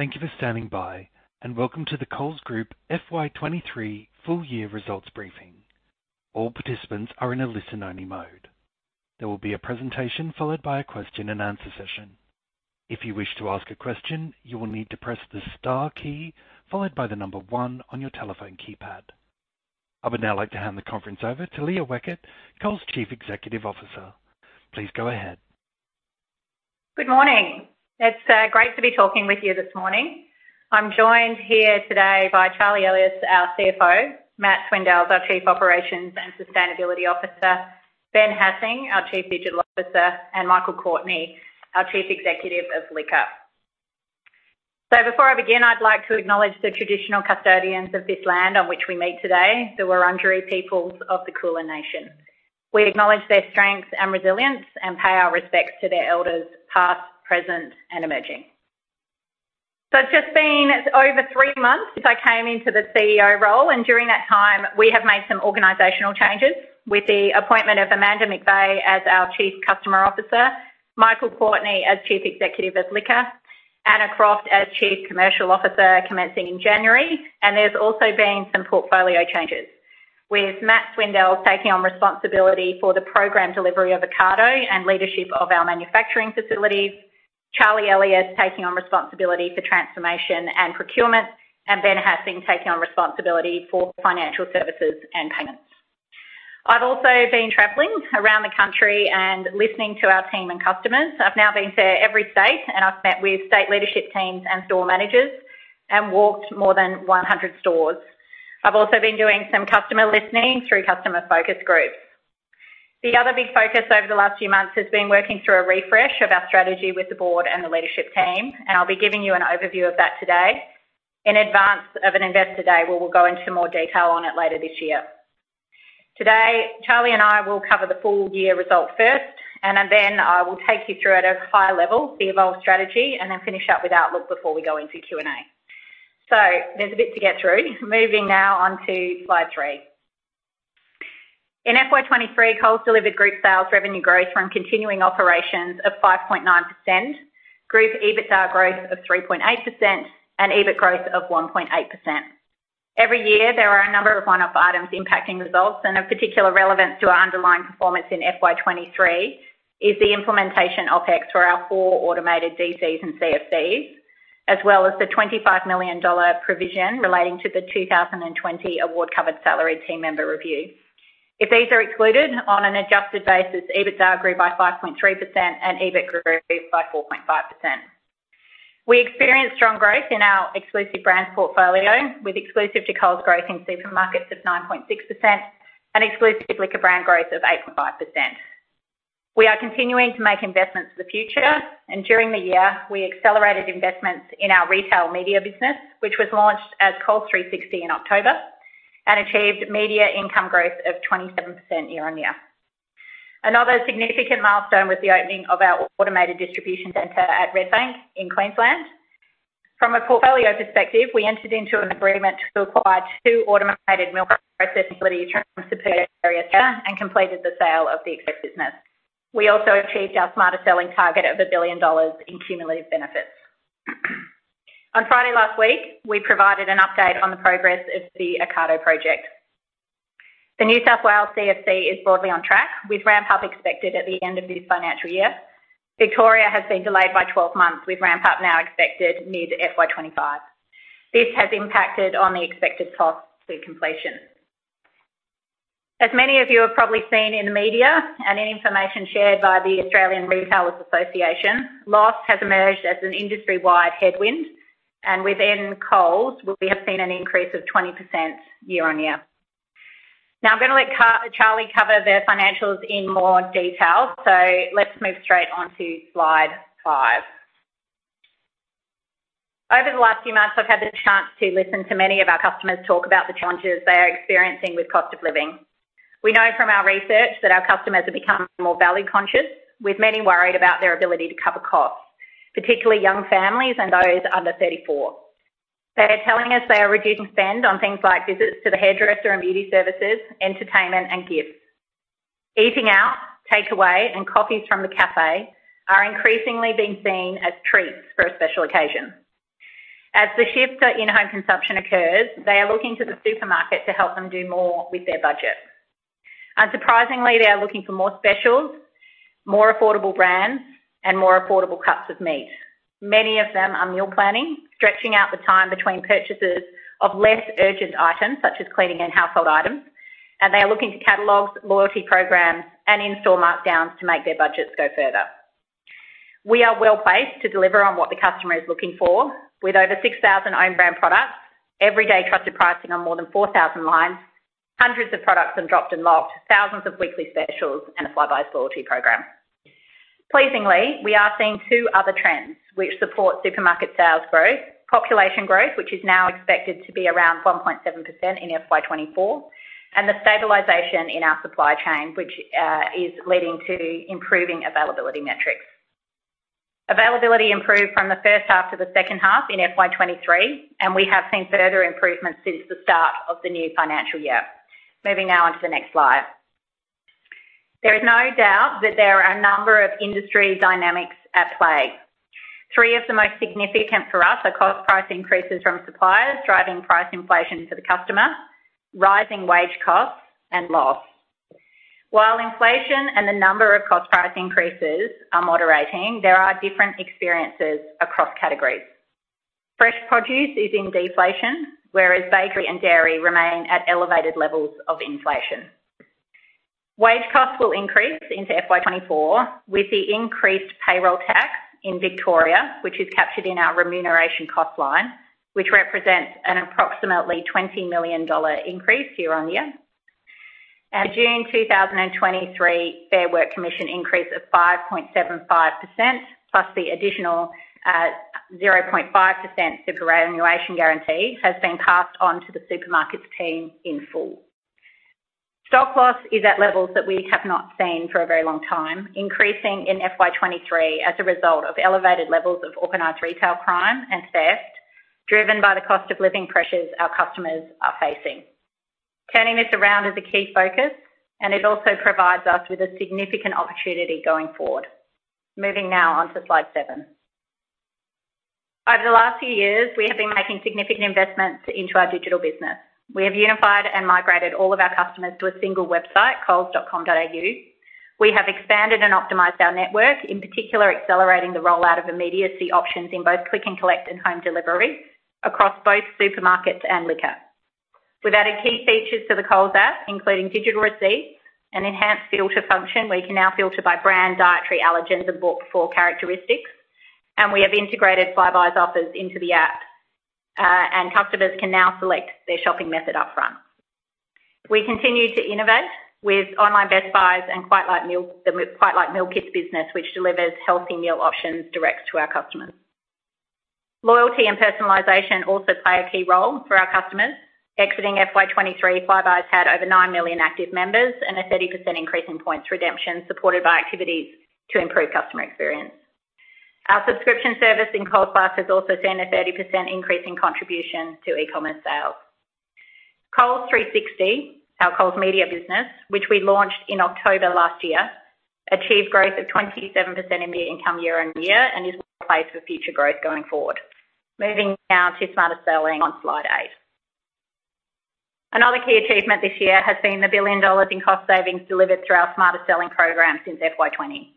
Thank you for standing by, welcome to the Coles Group FY 2023 full-year results briefing. All participants are in a listen-only mode. There will be a presentation, followed by a question-and-answer session. If you wish to ask a question, you will need to press the star key, followed by the 1 on your telephone keypad. I would now like to hand the conference over to Leah Weckert, Coles Chief Executive Officer. Please go ahead. Good morning. It's great to be talking with you this morning. I'm joined here today by Charlie Elias, our CFO, Matt Swindells, our Chief Operations and Sustainability Officer, Ben Hassing, our Chief Digital Officer, and Michael Courtney, our Chief Executive of Liquor. Before I begin, I'd like to acknowledge the traditional custodians of this land on which we meet today, the Wurundjeri peoples of the Kulin nation. We acknowledge their strength and resilience and pay our respects to their elders, past, present, and emerging. It's just been over 3 months since I came into the CEO role, and during that time, we have made some organizational changes, with the appointment of Amanda McVay as our Chief Customer Officer, Michael Courtney as Chief Executive of Liquor, Anna Croft as Chief Commercial Officer, commencing in January. There's also been some portfolio changes, with Matt Swindells taking on responsibility for the program delivery of Ocado and leadership of our manufacturing facilities, Charlie Elias taking on responsibility for transformation and procurement, and Ben Hassing taking on responsibility for financial services and payments. I've also been traveling around the country and listening to our team and customers. I've now been to every state, and I've met with state leadership teams and store managers and walked more than 100 stores. I've also been doing some customer listening through customer focus groups. The other big focus over the last few months has been working through a refresh of our strategy with the board and the leadership team, and I'll be giving you an overview of that today in advance of an investor day, where we'll go into more detail on it later this year. Today, Charlie and I will cover the full-year results first, and then I will take you through, at a high level, the Evolve strategy, and then finish up with outlook before we go into Q&A. There's a bit to get through. Moving now on to Slide 3. In FY 2023, Coles delivered group sales revenue growth from continuing operations of 5.9%, group EBITDA growth of 3.8%, and EBIT growth of 1.8%. Every year, there are a number of one-off items impacting results, and of particular relevance to our underlying performance in FY 2023 is the implementation OpEx for our 4 automated D.C.s and CFCs, as well as the 25 million dollar provision relating to the 2020 award-covered salaried team member review. If these are excluded, on an adjusted basis, EBITDA grew by 5.3% and EBIT grew by 4.5%. We experienced strong growth in our exclusive brands portfolio, with exclusive to Coles growing supermarkets of 9.6% and exclusive liquor brand growth of 8.5%. We are continuing to make investments for the future, and during the year, we accelerated investments in our retail media business, which was launched as Coles 360 in October and achieved media income growth of 27% year-on-year. Another significant milestone was the opening of our automated distribution center Redbank in Queensland. From a portfolio perspective, we entered into an agreement to acquire two automated milk processing facilities from Saputo Dairy Australia and completed the sale of the Coles Express business. We also achieved our Smarter Selling target of 1 billion dollars in cumulative benefits. On Friday last week, we provided an update on the progress of the Ocado project. The New South Wales CFC is broadly on track, with ramp-up expected at the end of this financial year. Victoria has been delayed by 12 months, with ramp-up now expected mid-FY 2025. This has impacted on the expected cost to completion. As many of you have probably seen in the media and in information shared by the Australian Retailers Association, loss has emerged as an industry-wide headwind, and within Coles, we have seen an increase of 20% year-on-year. I'm going to let Charlie cover the financials in more detail, so let's move straight on to Slide 5. Over the last few months, I've had the chance to listen to many of our customers talk about the challenges they are experiencing with cost of living. We know from our research that our customers are becoming more value-conscious, with many worried about their ability to cover costs, particularly young families and those under 34. They are telling us they are reducing spend on things like visits to the hairdresser and beauty services, entertainment, and gifts. Eating out, takeaway, and coffees from the café are increasingly being seen as treats for a special occasion. As the shift in home consumption occurs, they are looking to the supermarket to help them do more with their budget. Unsurprisingly, they are looking for more specials, more affordable brands, and more affordable cuts of meat. Many of them are meal planning, stretching out the time between purchases of less urgent items, such as cleaning and household items, and they are looking to catalogs, loyalty programs, and in-store markdowns to make their budgets go further. We are well-placed to deliver on what the customer is looking for with over 6,000 own-brand products, everyday trusted pricing on more than 4,000 lines, hundreds of products on Dropped & Locked, thousands of weekly specials, and a Flybuys loyalty program. Pleasingly, we are seeing two other trends which support supermarket sales growth: population growth, which is now expected to be around 1.7% in FY 2024, and the stabilization in our supply chain, which is leading to improving availability metrics. Availability improved from the first half to the second half in FY 2023. We have seen further improvements since the start of the new financial year. Moving now on to the next slide. There is no doubt that there are a number of industry dynamics at play. Three of the most significant for us are cost price increases from suppliers, driving price inflation to the customer, rising wage costs, and loss. While inflation and the number of cost price increases are moderating, there are different experiences across categories. Fresh produce is in deflation, whereas bakery and dairy remain at elevated levels of inflation. Wage costs will increase into FY 2024, with the increased payroll tax in Victoria, which is captured in our remuneration cost line, which represents an approximately 20 million dollar increase year on year. June 2023, Fair Work Commission increase of 5.75%, plus the additional 0.5% superannuation guarantee, has been passed on to the supermarkets team in full. Stock loss is at levels that we have not seen for a very long time, increasing in FY 2023 as a result of elevated levels of organized retail crime and theft, driven by the cost of living pressures our customers are facing. Turning this around is a key focus, and it also provides us with a significant opportunity going forward. Moving now on to Slide 7. Over the last few years, we have been making significant investments into our digital business. We have unified and migrated all of our customers to a single website, coles.com.au. We have expanded and optimized our network, in particular, accelerating the rollout of immediacy options in both click and collect and home delivery across both supermarkets and liquor. We've added key features to the Coles app, including digital receipts and enhanced filter function, where you can now filter by brand, dietary allergens, and bought before characteristics. We have integrated Flybuys offers into the app. Customers can now select their shopping method upfront. We continue to innovate with online Best Buys and QuiteLike Meal Kits business, which delivers healthy meal options direct to our customers. Loyalty and personalization also play a key role for our customers. Exiting FY 2023, Flybuys had over 9 million active members and a 30% increase in points redemption, supported by activities to improve customer experience. Our subscription service in Coles Plus has also seen a 30% increase in contribution to e-commerce sales. Coles 360, our Coles media business, which we launched in October last year, achieved growth of 27% in net income year-on-year and is in place for future growth going forward. Moving now to Smarter Selling on Slide 8. Another key achievement this year has been the 1 billion dollars in cost savings delivered through our Smarter Selling program since FY 2020.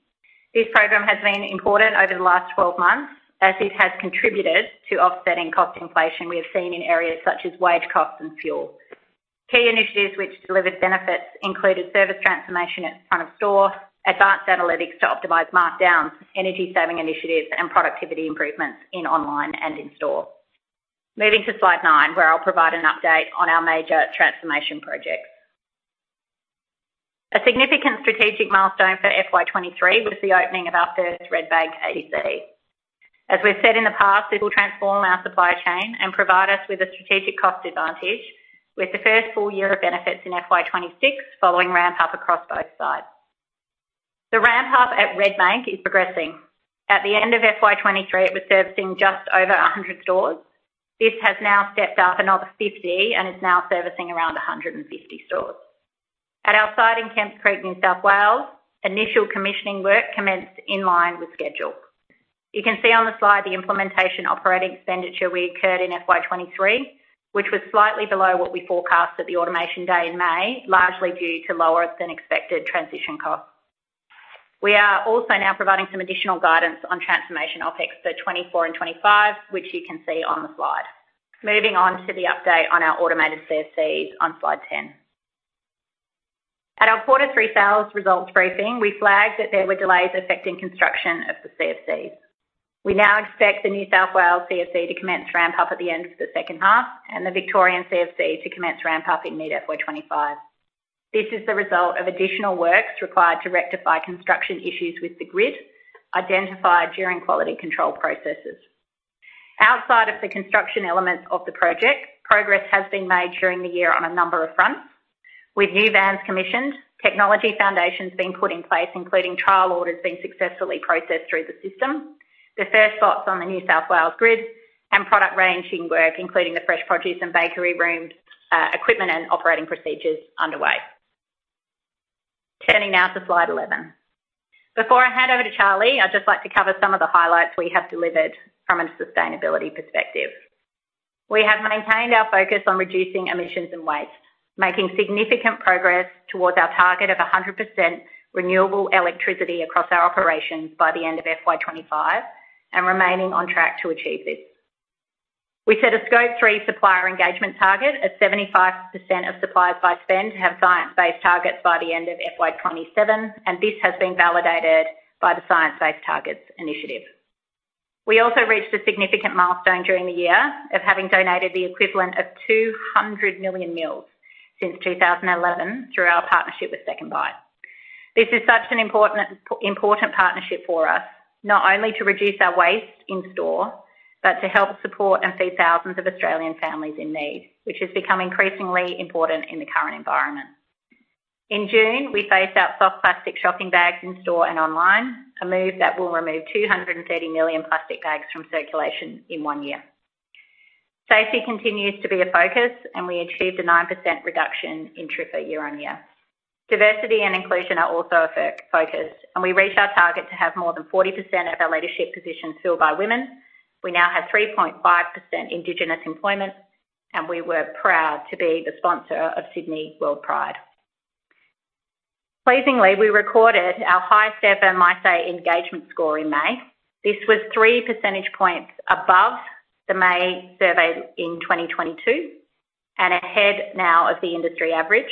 This program has been important over the last 12 months, as it has contributed to offsetting cost inflation we have seen in areas such as wage costs and fuel. Key initiatives which delivered benefits included service transformation at front of store, advanced analytics to optimize markdowns, energy-saving initiatives, and productivity improvements in online and in-store. Moving to Slide 9, where I'll provide an update on our major transformation projects. A significant strategic milestone for FY 2023 was the opening of our first Redbank ADC. As we've said in the past, this will transform our supply chain and provide us with a strategic cost advantage, with the first full year of benefits in FY 2026 following ramp-up across both sites. The ramp-up at Redbank is progressing. At the end of FY 2023, it was servicing just over 100 stores. This has now stepped up another 50 and is now servicing around 150 stores. At our site in Kemps Creek, New South Wales, initial commissioning work commenced in line with schedule. You can see on the slide the implementation operating expenditure we occurred in FY 2023, which was slightly below what we forecast at the automation day in May, largely due to lower-than-expected transition costs. We are also now providing some additional guidance on transformation OpEx for FY 2024 and FY 2025, which you can see on the slide. Moving on to the update on our automated CFCs on Slide 10. At our Q3 sales results briefing, we flagged that there were delays affecting construction of the CFC. We now expect the New South Wales CFC to commence ramp-up at the end of the second half and the Victorian CFC to commence ramp-up in mid-FY 2025. This is the result of additional works required to rectify construction issues with the grid, identified during quality control processes. Outside of the construction elements of the project, progress has been made during the year on a number of fronts, with new vans commissioned, technology foundations being put in place, including trial orders being successfully processed through the system. The first spots on the New South Wales grid and product ranging work, including the fresh produce and bakery room, equipment and operating procedures underway. Turning now to Slide 11. Before I hand over to Charlie, I'd just like to cover some of the highlights we have delivered from a sustainability perspective. We have maintained our focus on reducing emissions and waste, making significant progress towards our target of 100% renewable electricity across our operations by the end of FY 2025, and remaining on track to achieve this. We set a Scope 3 supplier engagement target of 75% of suppliers by spend to have Science Based Targets by the end of FY27, and this has been validated by the Science Based Targets initiative. We also reached a significant milestone during the year of having donated the equivalent of 200 million meals since 2011 through our partnership with SecondBite. This is such an important, important partnership for us, not only to reduce our waste in store, but to help support and feed thousands of Australian families in need, which has become increasingly important in the current environment. In June, we phased out soft plastic shopping bags in store and online, a move that will remove 230 million plastic bags from circulation in one year. Safety continues to be a focus, and we achieved a 9% reduction in trips year-on-year. Diversity and inclusion are also a focus, and we reached our target to have more than 40% of our leadership positions filled by women. We now have 3.5% Indigenous employment, and we were proud to be the sponsor of Sydney WorldPride. Pleasingly, we recorded our highest ever, might I say, engagement score in May. This was 3 percentage points above the May survey in 2022, and ahead now of the industry average,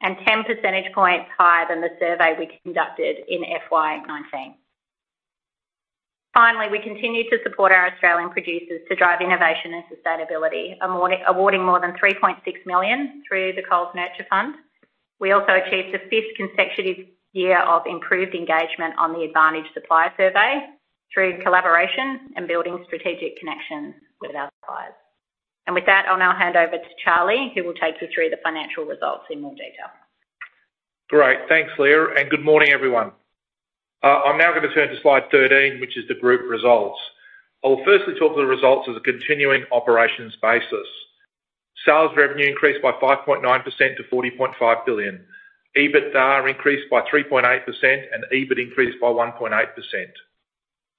and 10 percentage points higher than the survey we conducted in FY19. Finally, we continue to support our Australian producers to drive innovation and sustainability, awarding more than 3.6 million through the Coles Nurture Fund. We also achieved the fifth consecutive year of improved engagement on the Advantage Supplier Survey through collaboration and building strategic connections with our suppliers. With that, I'll now hand over to Charlie, who will take you through the financial results in more detail. Great. Thanks, Leah, and good morning, everyone. I'm now going to turn to Slide 13, which is the group results. I will firstly talk to the results as a continuing operations basis. Sales revenue increased by 5.9% to 40.5 billion. EBITDA increased by 3.8%. EBIT increased by 1.8%.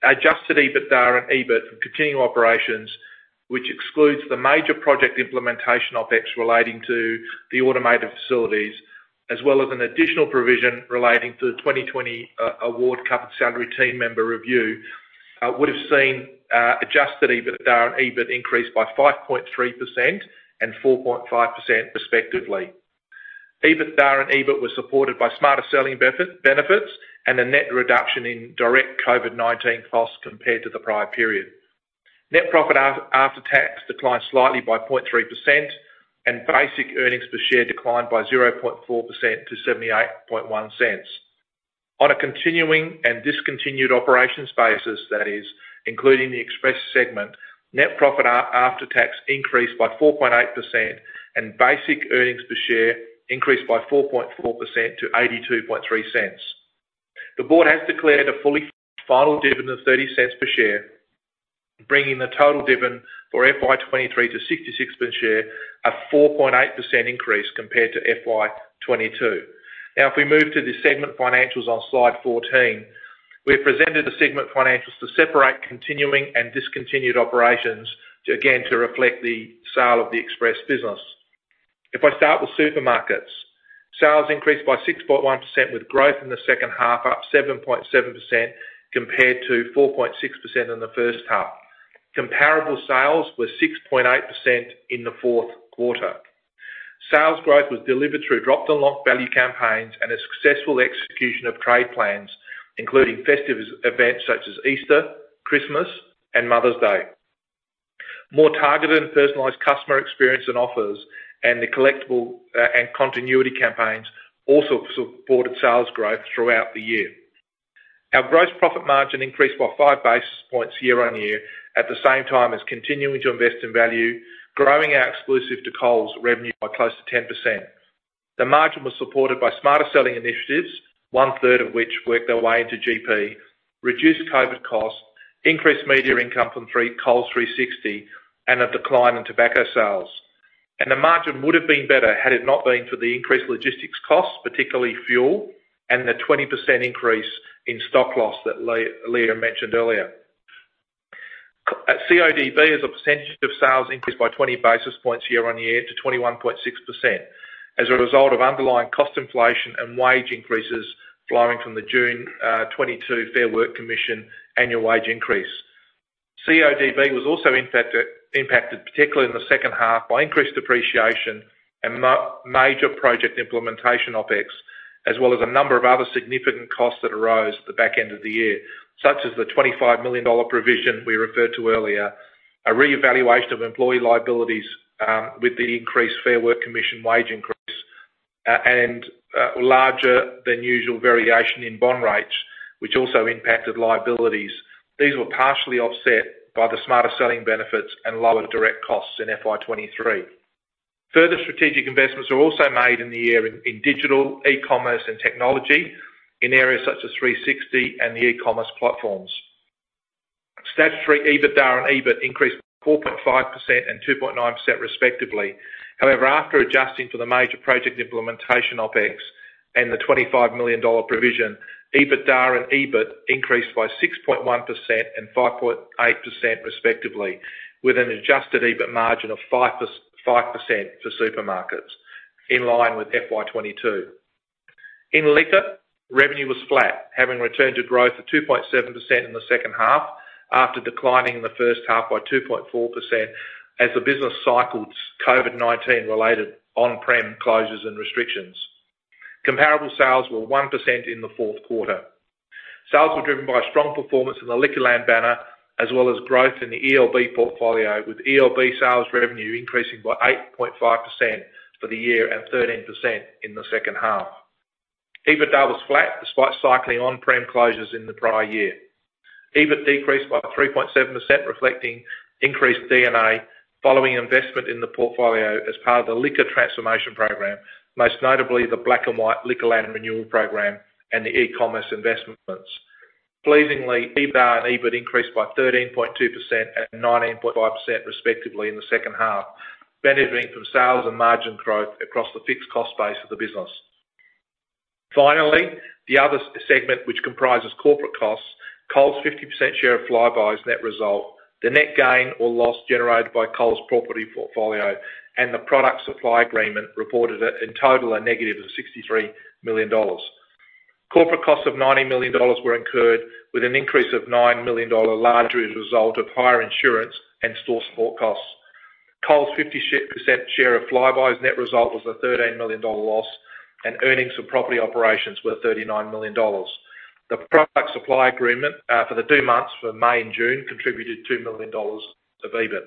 Adjusted EBITDA and EBIT from continuing operations, which excludes the major project implementation OpEx relating to the automated facilities, as well as an additional provision relating to the 2020 award covered salary team member review, would have seen adjusted EBITDA and EBIT increase by 5.3% and 4.5% respectively. EBITDA and EBIT were supported by Smarter Selling benefits and a net reduction in direct COVID-19 costs compared to the prior period. Net profit after tax declined slightly by 0.3%, basic earnings per share declined by 0.4% to 0.781. On a continuing and discontinued operations basis, that is, including the Express segment, net profit after tax increased by 4.8%, basic earnings per share increased by 4.4% to 0.823. The board has declared a fully final dividend of 0.30 per share, bringing the total dividend for FY 2023 to 0.66 per share, a 4.8% increase compared to FY 2022. If we move to the segment financials on Slide 14, we've presented the segment financials to separate continuing and discontinued operations, to again, to reflect the sale of the Express business. If I start with supermarkets, sales increased by 6.1%, with growth in the second half up 7.7% compared to 4.6% in the first half. Comparable sales were 6.8% in the fourth quarter. Sales growth was delivered through Dropped & Locked value campaigns and a successful execution of trade plans, including festive events such as Easter, Christmas, and Mother's Day. More targeted and personalized customer experience and offers, and the collectible and continuity campaigns also supported sales growth throughout the year. Our gross profit margin increased by five basis points year-on-year, at the same time as continuing to invest in value, growing our exclusive to Coles revenue by close to 10%. The margin was supported by Smarter Selling initiatives, one-third of which worked their way into GP, reduced COVID costs, increased media income from Coles 360, and a decline in tobacco sales. The margin would have been better had it not been for the increased logistics costs, particularly fuel, and the 20% increase in stock loss that Leah mentioned earlier. CODB, as a percentage of sales, increased by 20 basis points year-on-year to 21.6%, as a result of underlying cost inflation and wage increases flowing from the June 2022 Fair Work Commission annual wage increase. CODB was also impacted, impacted, particularly in the second half, by increased depreciation and major project implementation OpEx, as well as a number of other significant costs that arose at the back end of the year, such as the 25 million dollar provision we referred to earlier, a reevaluation of employee liabilities, with the increased Fair Work Commission wage increase, and larger than usual variation in bond rates, which also impacted liabilities. These were partially offset by the Smarter Selling benefits and lower direct costs in FY 2023. Further strategic investments were also made in the year in, in digital, e-commerce, and technology, in areas such as Coles 360 and the e-commerce platforms. Statutory EBITDA and EBIT increased 4.5% and 2.9% respectively. However, after adjusting for the major project implementation OpEx and the 25 million dollar provision, EBITDA and EBIT increased by 6.1% and 5.8%, respectively, with an adjusted EBIT margin of 5% for supermarkets, in line with FY 2022. In Liquor, revenue was flat, having returned to growth of 2.7% in the second half, after declining in the first half by 2.4% as the business cycled COVID-19-related on-prem closures and restrictions. Comparable sales were 1% in the fourth quarter. Sales were driven by strong performance in the Liquorland banner, as well as growth in the ELB portfolio, with ELB sales revenue increasing by 8.5% for the year and 13% in the second half. EBITDA was flat, despite cycling on-prem closures in the prior year. EBIT decreased by 3.7%, reflecting increased D&A following investment in the portfolio as part of the Liquor transformation program, most notably the Black & White format renewal program and the e-commerce investments. Pleasingly, EBITDA and EBIT increased by 13.2% and 19.5% respectively in the second half, benefiting from sales and margin growth across the fixed cost base of the business. Finally, the other segment, which comprises corporate costs, Coles' 50% share of Flybuys net result, the net gain or loss generated by Coles' property portfolio, and the product supply agreement reported at, in total, a negative of 63 million dollars. Corporate costs of 90 million dollars were incurred with an increase of 9 million dollar, largely as a result of higher insurance and store support costs. Coles' 50% share of Flybuys' net result was a 13 million dollar loss, and earnings for property operations were 39 million dollars. The product supply agreement for the 2 months for May and June contributed 2 million dollars to EBIT.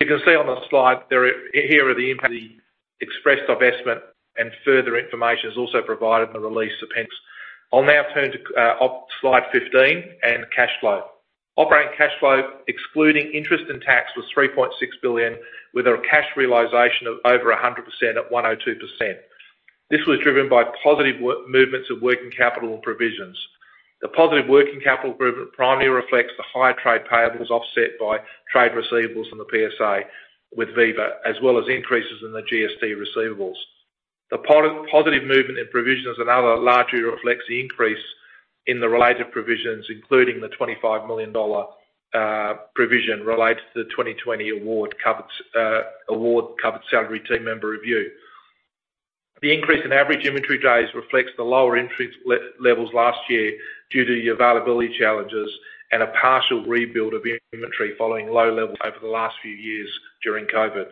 You can see on the slide, here are the impact, the Express divestment and further information is also provided in the release appendix. I'll now turn to Slide 15 and cash flow. Operating cash flow, excluding interest and tax, was 3.6 billion, with a cash realization of over 100% at 102%. This was driven by positive movements of working capital and provisions. The positive working capital improvement primarily reflects the higher trade payables, offset by trade receivables from the PSA with Viva, as well as increases in the GST receivables. The positive movement in provisions and other largely reflects the increase in the related provisions, including the 25 million dollar provision related to the 2020 award covered award covered Salary Team member review. The increase in average inventory days reflects the lower inventory levels last year due to the availability challenges and a partial rebuild of the inventory following low levels over the last few years during COVID.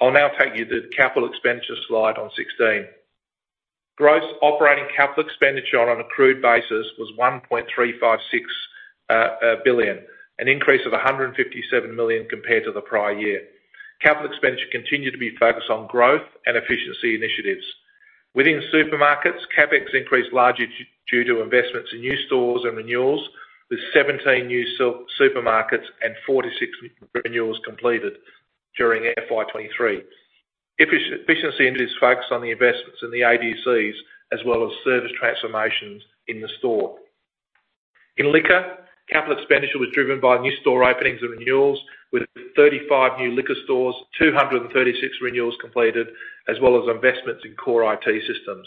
I'll now take you to the capital expenditure slide on 16. Gross operating capital expenditure on an accrued basis was 1.356 billion, an increase of 157 million compared to the prior year. Capital expenditure continued to be focused on growth and efficiency initiatives. Within supermarkets, CapEx increased largely due to investments in new stores and renewals, with 17 new supermarkets and 46 renewals completed during FY 2023. Efficiency initiatives focused on the investments in the ADCs as well as service transformations in the store. In liquor, capital expenditure was driven by new store openings and renewals, with 35 new liquor stores, 236 renewals completed, as well as investments in core IT systems.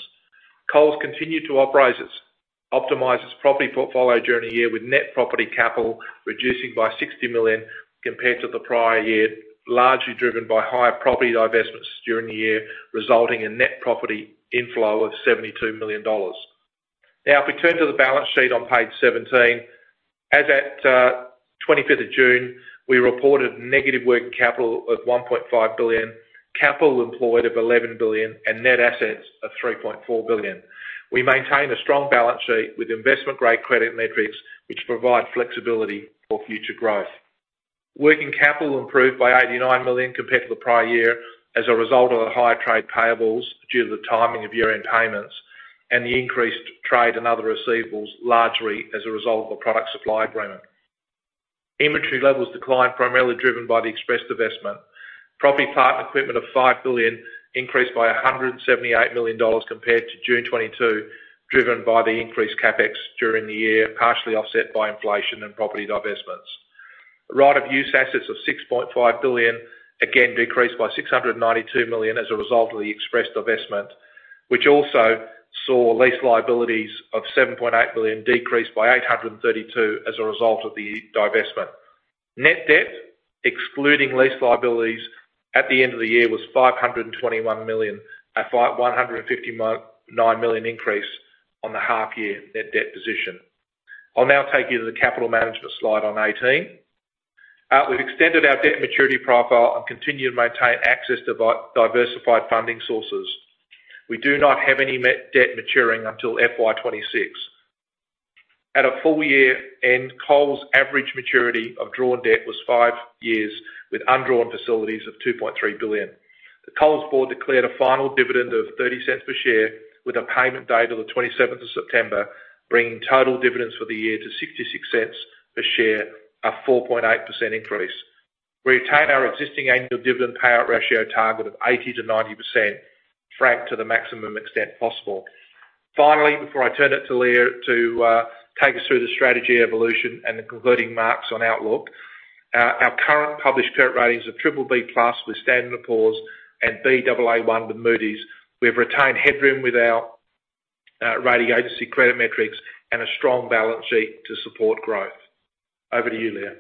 Coles continued to optimize its property portfolio during the year, with net property capital reducing by 60 million compared to the prior year, largely driven by higher property divestments during the year, resulting in net property inflow of 72 million dollars. Now, if we turn to the balance sheet on page 17. As at 25th of June, we reported negative working capital of 1.5 billion, capital employed of 11 billion, and net assets of 3.4 billion. We maintain a strong balance sheet with investment-grade credit metrics, which provide flexibility for future growth. Working capital improved by 89 million compared to the prior year as a result of the higher trade payables due to the timing of year-end payments and the increased trade and other receivables, largely as a result of a product supply agreement. Inventory levels declined, primarily driven by the Express divestment. Property, plant, and equipment of 5 billion increased by 178 million dollars compared to June 2022, driven by the increased CapEx during the year, partially offset by inflation and property divestments. Right of use assets of 6.5 billion, again, decreased by 692 million as a result of the Express divestment, which also saw lease liabilities of 7.8 billion decrease by 832 million as a result of the divestment. Net debt, excluding lease liabilities at the end of the year, was 521 million, a 159 million increase on the half-year net debt position. I'll now take you to the capital management slide on 18. We've extended our debt maturity profile and continue to maintain access to diversified funding sources. We do not have any debt maturing until FY 2026. At a full year end, Coles' average maturity of drawn debt was 5 years, with undrawn facilities of AUD 2.3 billion. The Coles Board declared a final dividend of 0.30 per share, with a payment date of the 27th of September, bringing total dividends for the year to 0.66 per share, a 4.8% increase. We retain our existing annual dividend payout ratio target of 80%-90%, franked to the maximum extent possible. Finally, before I turn it to Leah to take us through the strategy evolution and the concluding marks on outlook, our current published credit ratings are BBB+ with S&P Global Ratings and Baa1 with Moody's. We've retained headroom with our rating agency credit metrics and a strong balance sheet to support growth. Over to you, Leah.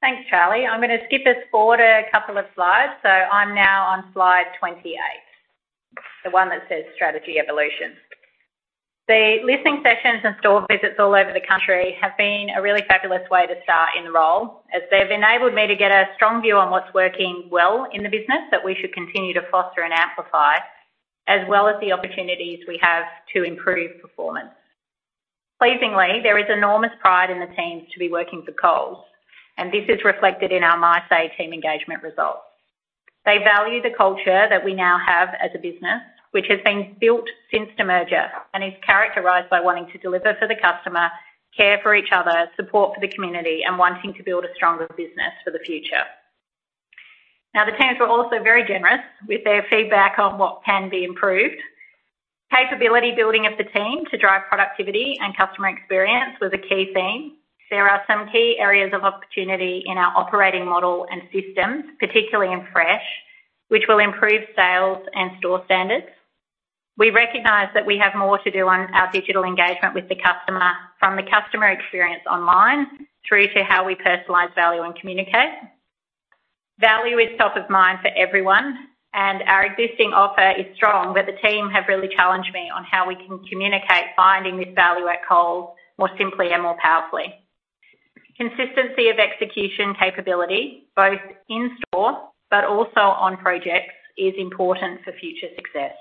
Thanks, Charlie. I'm gonna skip us forward a couple of slides. I'm now on Slide 28, the one that says Strategy Evolution. The listening sessions and store visits all over the country have been a really fabulous way to start in the role, as they've enabled me to get a strong view on what's working well in the business that we should continue to foster and amplify, as well as the opportunities we have to improve performance. Pleasingly, there is enormous pride in the teams to be working for Coles, and this is reflected in our MySay team engagement results. They value the culture that we now have as a business, which has been built since the merger and is characterized by wanting to deliver for the customer, care for each other, support for the community, and wanting to build a stronger business for the future. Now, the teams were also very generous with their feedback on what can be improved. Capability building of the team to drive productivity and customer experience was a key theme. There are some key areas of opportunity in our operating model and systems, particularly in fresh, which will improve sales and store standards. We recognize that we have more to do on our digital engagement with the customer, from the customer experience online through to how we personalize value and communicate. Value is top of mind for everyone, and our existing offer is strong, but the team have really challenged me on how we can communicate, finding this value at Coles more simply and more powerfully. Consistency of execution capability, both in-store but also on projects, is important for future success.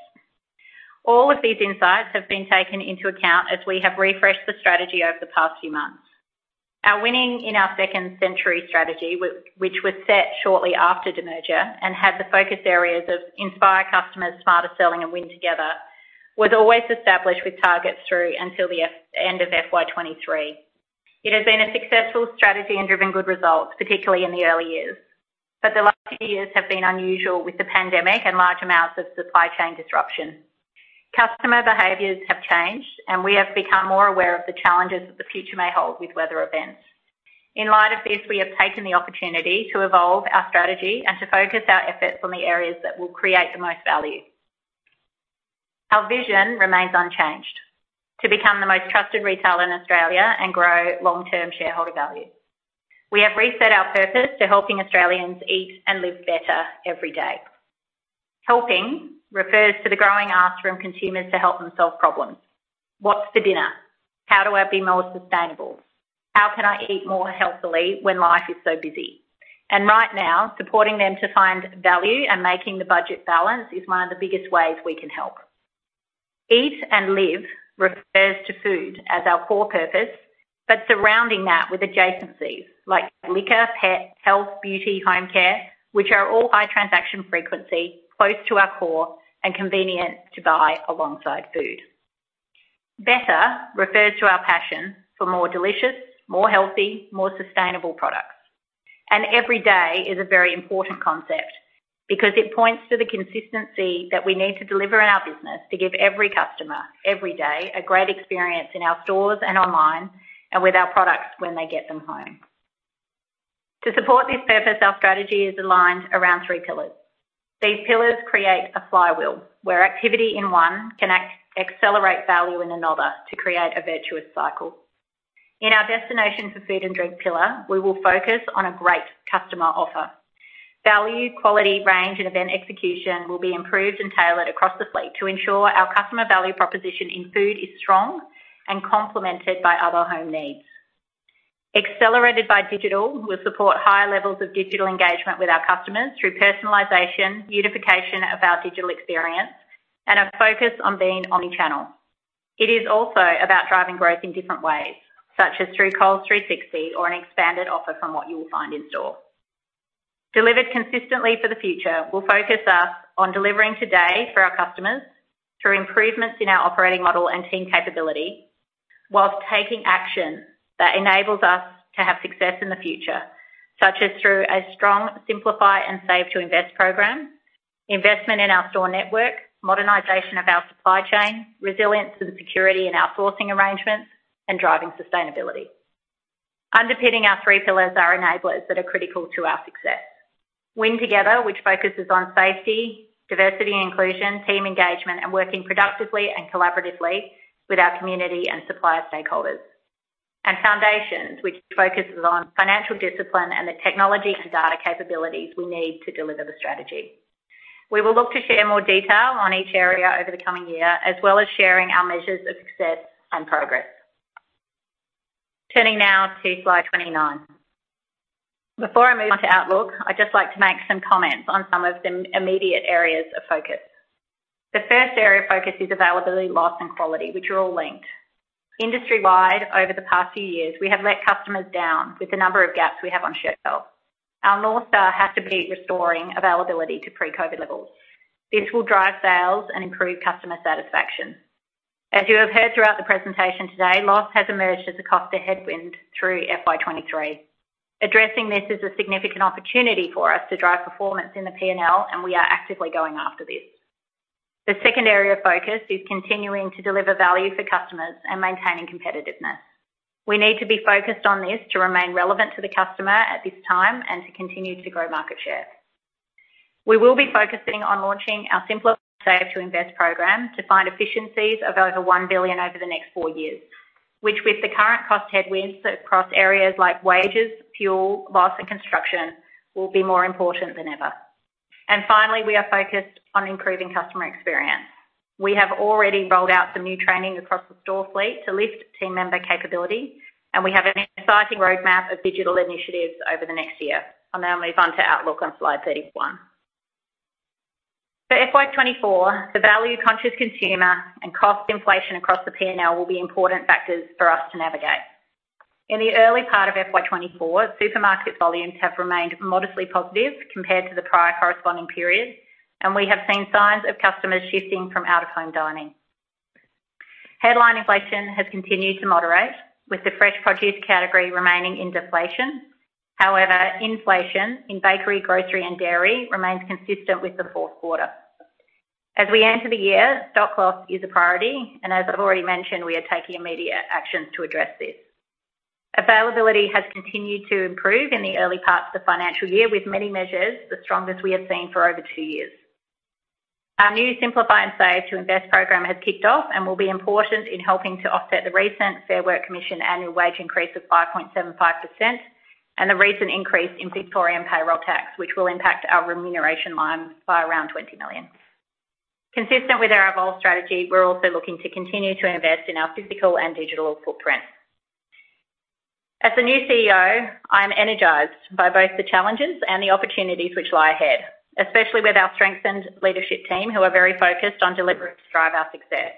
All of these insights have been taken into account as we have refreshed the strategy over the past few months. Our winning in our second century strategy, which was set shortly after demerger and had the focus areas of Inspire Customers, Smarter Selling, and Win Together, was always established with targets through until the end of FY 2023. It has been a successful strategy and driven good results, particularly in the early years. The last few years have been unusual with the pandemic and large amounts of supply chain disruption. Customer behaviors have changed, and we have become more aware of the challenges that the future may hold with weather events. In light of this, we have taken the opportunity to Evolve strategy and to focus our efforts on the areas that will create the most value. Our vision remains unchanged: to become the most trusted retailer in Australia and grow long-term shareholder value. We have reset our purpose to helping Australians eat and live better every day. Helping refers to the growing ask from consumers to help them solve problems. What's for dinner? How do I be more sustainable? How can I eat more healthily when life is so busy? Right now, supporting them to find value and making the budget balance is one of the biggest ways we can help. Eat and live refers to food as our core purpose, surrounding that with adjacencies like liquor, pet, health, beauty, home care, which are all high transaction frequency, close to our core and convenient to buy alongside food. Better refers to our passion for more delicious, more healthy, more sustainable products. Every day is a very important concept because it points to the consistency that we need to deliver in our business to give every customer, every day, a great experience in our stores and online and with our products when they get them home. To support this purpose, our strategy is aligned around three pillars. These pillars create a flywheel, where activity in one can accelerate value in another to create a virtuous cycle. In our destination for food and drink pillar, we will focus on a great customer offer. Value, quality, range, and event execution will be improved and tailored across the fleet to ensure our customer value proposition in food is strong and complemented by other home needs. Accelerated by digital, we'll support higher levels of digital engagement with our customers through personalization, unification of our digital experience, and a focus on being omnichannel. It is also about driving growth in different ways, such as through Coles 360 or an expanded offer from what you will find in store. Delivered consistently for the future will focus us on delivering today for our customers through improvements in our operating model and team capability, whilst taking action that enables us to have success in the future, such as through a strong Simplify and Save to Invest program, investment in our store network, modernization of our supply chain, resilience to the security and outsourcing arrangements, and driving sustainability. Underpinning our three pillars are enablers that are critical to our success. Win together, which focuses on safety, diversity and inclusion, team engagement, and working productively and collaboratively with our community and supplier stakeholders. Foundations, which focuses on financial discipline and the technology and data capabilities we need to deliver the strategy. We will look to share more detail on each area over the coming year, as well as sharing our measures of success and progress. Turning now to Slide 29. Before I move on to outlook, I'd just like to make some comments on some of the immediate areas of focus. The first area of focus is availability, loss, and quality, which are all linked. Industry-wide, over the past few years, we have let customers down with the number of gaps we have on shelf. Our North Star has to be restoring availability to pre-COVID levels. This will drive sales and improve customer satisfaction. As you have heard throughout the presentation today, loss has emerged as a cost to headwind through FY 2023. Addressing this is a significant opportunity for us to drive performance in the P&L, and we are actively going after this. The second area of focus is continuing to deliver value for customers and maintaining competitiveness. We need to be focused on this to remain relevant to the customer at this time and to continue to grow market share. We will be focusing on launching our Simplify Save to Invest program to find efficiencies of over 1 billion over the next four years, which with the current cost headwinds across areas like wages, fuel, loss, and construction, will be more important than ever. Finally, we are focused on improving customer experience. We have already rolled out some new training across the store fleet to lift team member capability, and we have an exciting roadmap of digital initiatives over the next year. I'll now move on to outlook on Slide 31. For FY 2024, the value-conscious consumer and cost inflation across the P&L will be important factors for us to navigate. In the early part of FY 2024, supermarket volumes have remained modestly positive compared to the prior corresponding period, and we have seen signs of customers shifting from out-of-home dining.... headline inflation has continued to moderate, with the fresh produce category remaining in deflation. However, inflation in bakery, grocery, and dairy remains consistent with the fourth quarter. As we enter the year, stock loss is a priority, and as I've already mentioned, we are taking immediate actions to address this. Availability has continued to improve in the early parts of the financial year, with many measures the strongest we have seen for over two years. Our new Simplify and Save to Invest program has kicked off and will be important in helping to offset the recent Fair Work Commission annual wage increase of 5.75% and the recent increase in Victorian payroll tax, which will impact our remuneration line by around 20 million. Consistent with our Evolve strategy, we're also looking to continue to invest in our physical and digital footprint. As the new CEO, I am energized by both the challenges and the opportunities which lie ahead, especially with our strengthened leadership team, who are very focused on delivering to drive our success.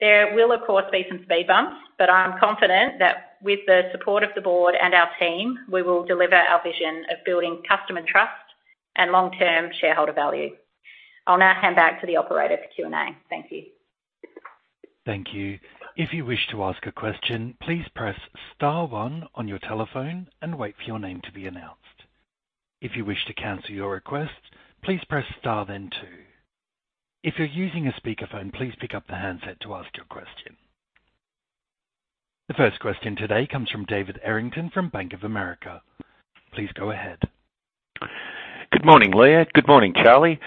There will, of course, be some speed bumps, but I'm confident that with the support of the board and our team, we will deliver our vision of building customer trust and long-term shareholder value. I'll now hand back to the operator for Q&A. Thank you. Thank you. If you wish to ask a question, please press star one on your telephone and wait for your name to be announced. If you wish to cancel your request, please press star, then two. If you're using a speakerphone, please pick up the handset to ask your question. The first question today comes from David Errington from Bank of America. Please go ahead. Good morning, Leah. Good morning, Charlie.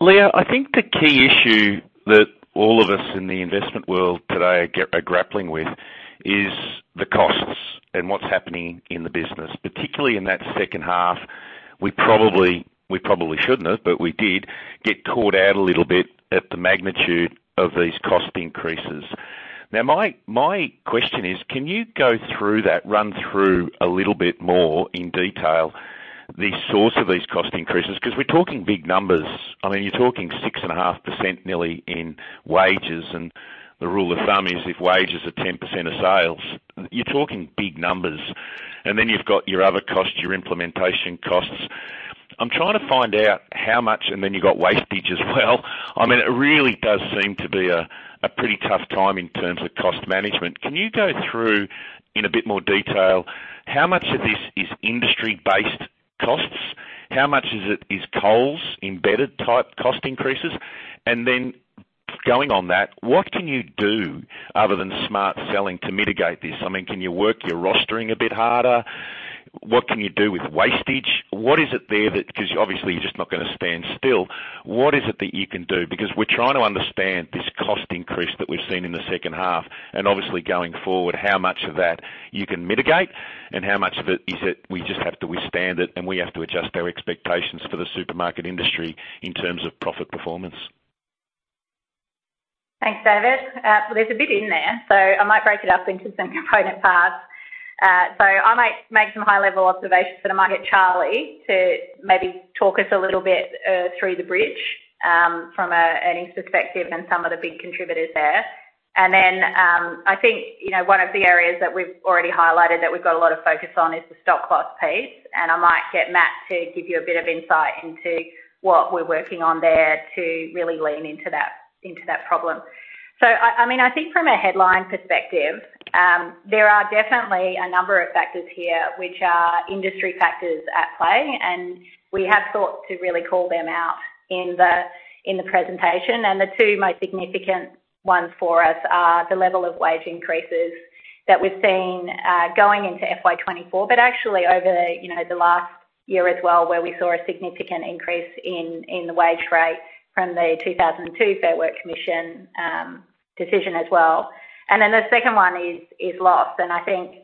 Leah, I think the key issue that all of us in the investment world today are grappling with is the costs and what's happening in the business, particularly in that second half. We probably, we probably shouldn't have, but we did get caught out a little bit at the magnitude of these cost increases. Now, my question is, can you go through that, run through a little bit more in detail, the source of these cost increases? Because we're talking big numbers. I mean, you're talking 6.5% nearly in wages, and the rule of thumb is if wages are 10% of sales, you're talking big numbers. And then you've got your other costs, your implementation costs. I'm trying to find out how much... And then you've got wastage as well. I mean, it really does seem to be a pretty tough time in terms of cost management. Can you go through, in a bit more detail, how much of this is industry-based costs? How much is it, is Coles-embedded type cost increases? And then going on that, what can you do other than smart selling to mitigate this? I mean, can you work your rostering a bit harder? What can you do with wastage? What is it there because obviously, you're just not gonna stand still. What is it that you can do? Because we're trying to understand this cost increase that we've seen in the second half, and obviously, going forward, how much of that you can mitigate and how much of it is it we just have to withstand it, and we have to adjust our expectations for the supermarket industry in terms of profit performance. Thanks, David. There's a bit in there, so I might break it up into some component parts. I might make some high-level observations, but I might get Charlie to maybe talk us a little bit through the bridge from an earnings perspective and some of the big contributors there. I think, you know, one of the areas that we've already highlighted that we've got a lot of focus on is the stock cost piece, and I might get Matt to give you a bit of insight into what we're working on there to really lean into that, into that problem. I mean, I think from a headline perspective, there are definitely a number of factors here which are industry factors at play, and we have sought to really call them out in the presentation. The two most significant ones for us are the level of wage increases that we've seen, going into FY 2024, but actually over, you know, the last year as well, where we saw a significant increase in the wage rate from the 2002 Fair Work Commission decision as well. Then the second one is loss. I think,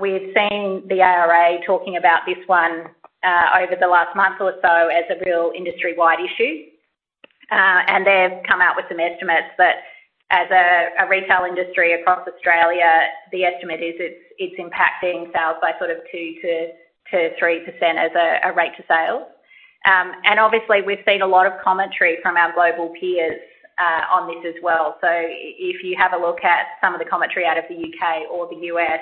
we've seen the ARA talking about this one over the last month or so as a real industry-wide issue. They've come out with some estimates that as a retail industry across Australia, the estimate is it's impacting sales by sort of 2%-3% as a rate to sales. Obviously, we've seen a lot of commentary from our global peers on this as well. If you have a look at some of the commentary out of the UK or the US,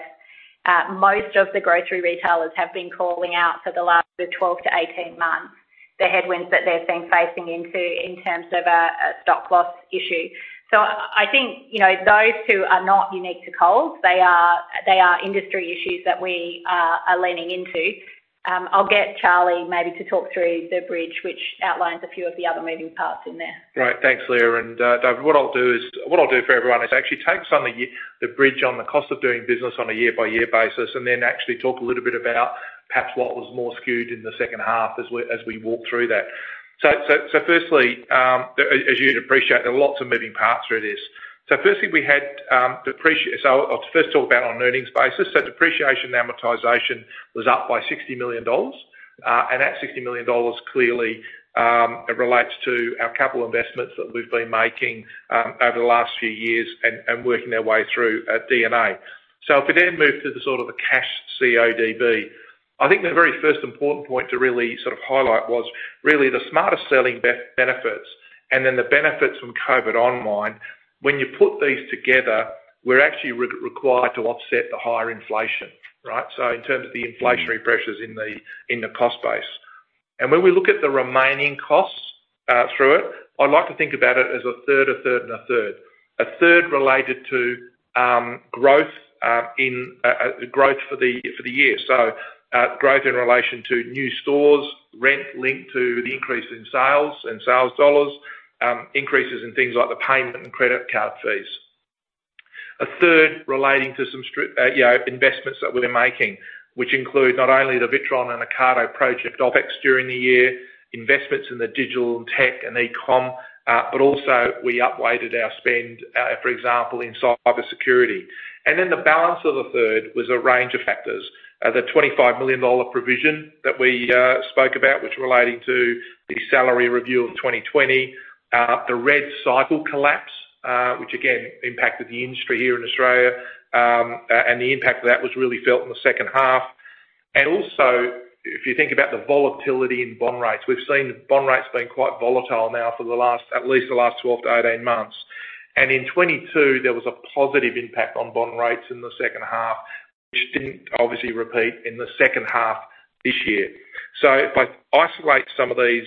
most of the grocery retailers have been calling out for the last 12 to 18 months, the headwinds that they've been facing into in terms of a stock loss issue. I think, you know, those two are not unique to Coles. They are, they are industry issues that we are leaning into. I'll get Charlie maybe to talk through the bridge, which outlines a few of the other moving parts in there. Great. Thanks, Leah. David, what I'll do is... What I'll do for everyone is actually take some of the the bridge on the cost of doing business on a year-by-year basis, then actually talk a little bit about perhaps what was more skewed in the second half as we walk through that. Firstly, as you'd appreciate, there are lots of moving parts through this. Firstly, we had depreciation. I'll first talk about on an earnings basis. Depreciation and Amortization was up by 60 million dollars, and that 60 million dollars clearly relates to our capital investments that we've been making over the last few years and working their way through at D&A. If we then move to the sort of the cash CODB, I think the very first important point to really sort of highlight was really the Smarter Selling benefits and then the benefits from COVID online. When you put these together, we're actually required to offset the higher inflation, right? In terms of the inflationary- Mm-hmm. pressures in the, in the cost base. When we look at the remaining costs through it, I'd like to think about it as a third, a third, and a third. A third related to growth in growth for the year. Growth in relation to new stores, rent linked to the increase in sales and sales dollars, increases in things like the payment and credit card fees. A third relating to some strip, you know, investments that we're making, which include not only the Witron and Ocado project OpEx during the year, investments in the digital tech and e-com, but also we upweighted our spend, for example, in cybersecurity. Then the balance of the third was a range of factors. The 25 million dollar provision that we spoke about, which relating to the salary review of 2020, the REDcycle collapse, which again, impacted the industry here in Australia. The impact of that was really felt in the second half. Also, if you think about the volatility in bond rates, we've seen bond rates being quite volatile now for the last at least the last 12-18 months. In 2022, there was a positive impact on bond rates in the second half, which didn't obviously repeat in the second half this year. If I isolate some of these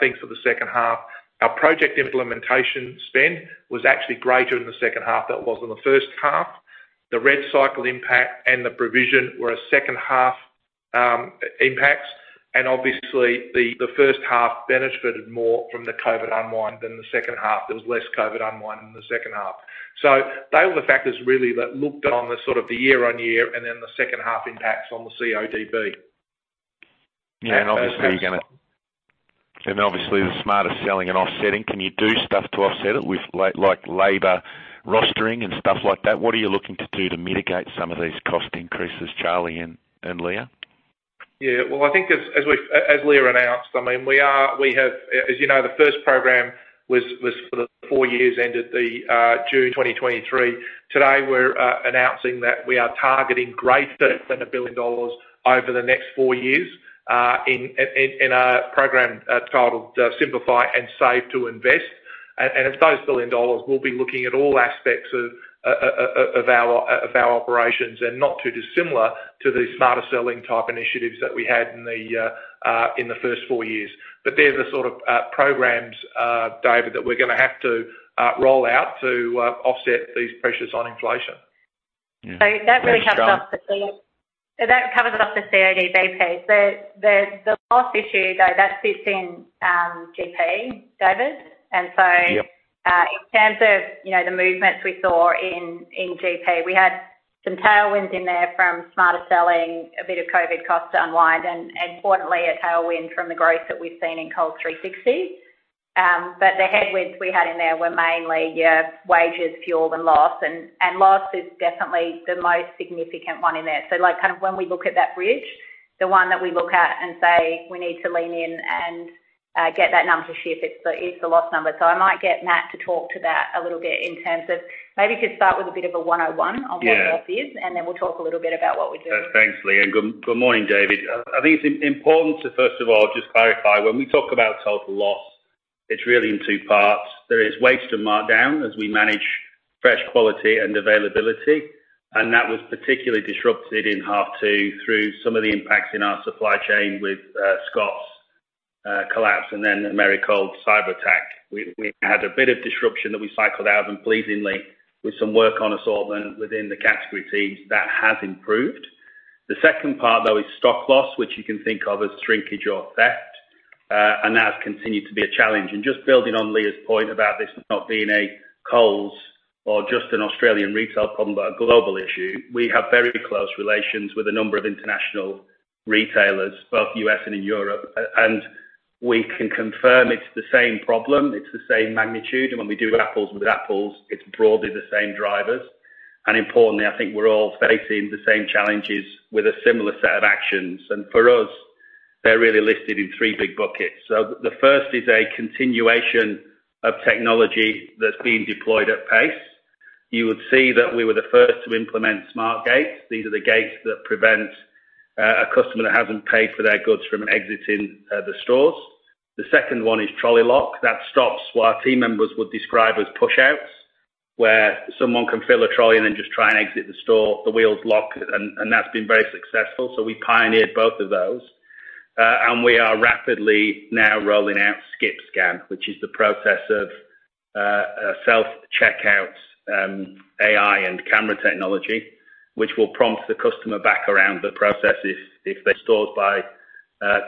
things for the second half, our project implementation spend was actually greater in the second half than it was in the first half. The REDcycle impact and the provision were a second-half impacts, and obviously, the, the first half benefited more from the COVID unwind than the second half. There was less COVID unwind in the second half. They were the factors really that looked on the sort of the year-on-year and then the second-half impacts on the CODB. Yeah, obviously, obviously, the Smarter Selling and offsetting. Can you do stuff to offset it with like labor rostering and stuff like that? What are you looking to do to mitigate some of these cost increases, Charlie and Leah? Yeah, well, I think as, as we've, as Leah announced, I mean, we have, as you know, the first program was, was for the four years, ended the June 2023. Today, we're announcing that we are targeting greater than 1 billion dollars over the next four years, in, in, in a program, titled, Simplify and Save to Invest. And those 1 billion dollars will be looking at all aspects of, of our, of our operations, and not too dissimilar to the Smarter Selling type initiatives that we had in the first four years. They're the sort of programs, David, that we're gonna have to roll out to offset these pressures on inflation. Yeah. That really covers off that covers off the CODB piece. The, the, the last issue, though, that sits in, GP, David. Yep. In terms of, you know, the movements we saw in, in GP, we had some tailwinds in there from Smarter Selling, a bit of COVID costs to unwind, and importantly, a tailwind from the growth that we've seen in Coles 360. But the headwinds we had in there were mainly, yeah, wages, fuel, and loss. And loss is definitely the most significant one in there. Like, kind of when we look at that bridge, the one that we look at and say, "We need to lean in and get that number to shift," it's the, it's the loss number. So I might get Matt to talk to that a little bit in terms of... Maybe could start with a bit of a one-on-one on what- Yeah loss is, and then we'll talk a little bit about what we're doing. Thanks, Leah. Good, good morning, David. I think it's important to, first of all, just clarify, when we talk about total loss, it's really in two parts. There is waste and markdown as we manage fresh quality and availability, and that was particularly disrupted in half 2 through some of the impacts in our supply chain with Scott's collapse and then Americold cyberattack. We, we had a bit of disruption that we cycled out, and pleasingly, with some work on assortment within the category teams, that has improved. The second part, though, is stock loss, which you can think of as shrinkage or theft, and that's continued to be a challenge. Just building on Leah's point about this not being a Coles or just an Australian retail problem, but a global issue, we have very close relations with a number of international retailers, both US and in Europe, and we can confirm it's the same problem, it's the same magnitude, and when we do apples with apples, it's broadly the same drivers. Importantly, I think we're all facing the same challenges with a similar set of actions. For us, they're really listed in three big buckets. So the first is a continuation of technology that's being deployed at pace. You would see that we were the first to implement smart gates. These are the gates that prevent a customer that hasn't paid for their goods from exiting the stores. The second one is trolley lock. That stops what our team members would describe as push outs, where someone can fill a trolley and then just try and exit the store, the wheels lock, and, and that's been very successful. We pioneered both of those. We are rapidly now rolling out Skip Scan, which is the process of self-checkouts, AI and camera technology, which will prompt the customer back around the process if, if they're stored by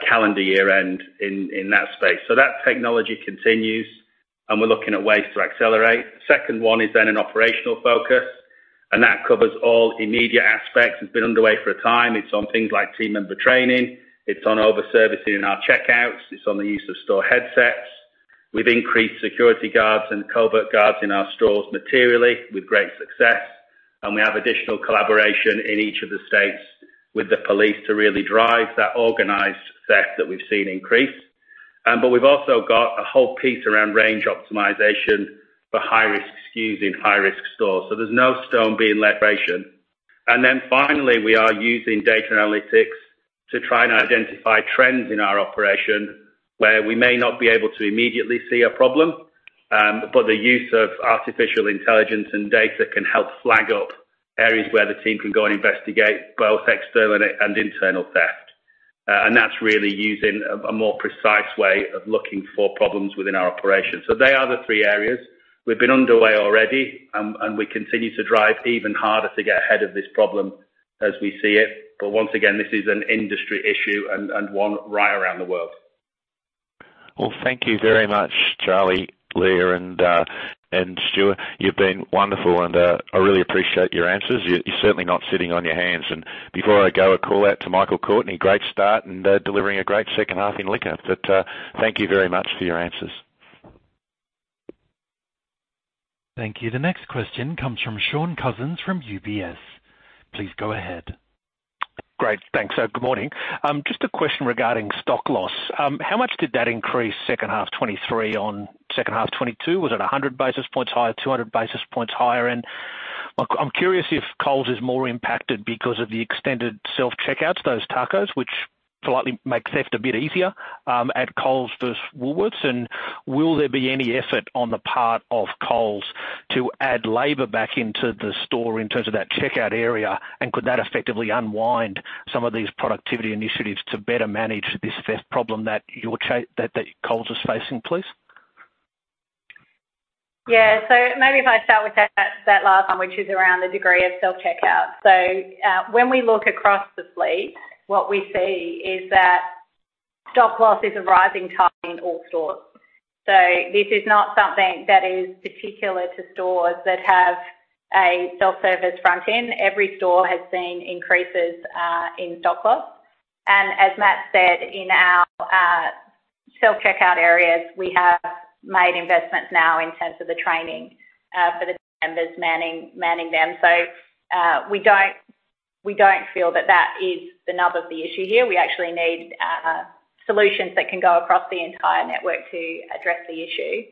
calendar year end in, in that space. That technology continues, and we're looking at ways to accelerate. Second one is then an operational focus, and that covers all immediate aspects. It's been underway for a time. It's on things like team member training, it's on over-servicing in our checkouts, it's on the use of store headsets. We've increased security guards and covert guards in our stores materially with great success. We have additional collaboration in each of the states with the police to really drive that organized theft that we've seen increase. We've also got a whole piece around range optimization for high-risk SKUs in high-risk stores. There's no stone being left ration. Then finally, we are using data analytics to try and identify trends in our operation, where we may not be able to immediately see a problem. The use of artificial intelligence and data can help flag up areas where the team can go and investigate both external and, and internal theft. That's really using a more precise way of looking for problems within our operation. They are the three areas. We've been underway already, and we continue to drive even harder to get ahead of this problem as we see it. Once again, this is an industry issue and, and one right around the world. Well, thank you very much, Charlie, Leah, and Stuart. You've been wonderful, and I really appreciate your answers. You're, you're certainly not sitting on your hands. Before I go, a call out to Michael Courtney. Great start and delivering a great second half in liquor. Thank you very much for your answers. Thank you. The next question comes from Shaun Cousins from UBS. Please go ahead. Great. Thanks. Good morning. Just a question regarding stock loss. How much did that increase second half 2023 on second half 2022? Was it 100 basis points higher, 200 basis points higher? I'm curious if Coles is more impacted because of the extended self-checkouts, those ACOs, which slightly make theft a bit easier, at Coles versus Woolworths. Will there be any effort on the part of Coles to add labor back into the store in terms of that checkout area? Could that effectively unwind some of these productivity initiatives to better manage this theft problem that Coles is facing, please? Yeah. Maybe if I start with that, that, that last one, which is around the degree of self-checkout. When we look across the fleet, what we see is that stock loss is a rising type in all stores. This is not something that is particular to stores that have a self-service front end. Every store has seen increases in stock loss. As Matt said, in our self-checkout areas, we have made investments now in terms of the training for the members manning, manning them. We don't, we don't feel that that is the nub of the issue here. We actually need solutions that can go across the entire network to address the issue.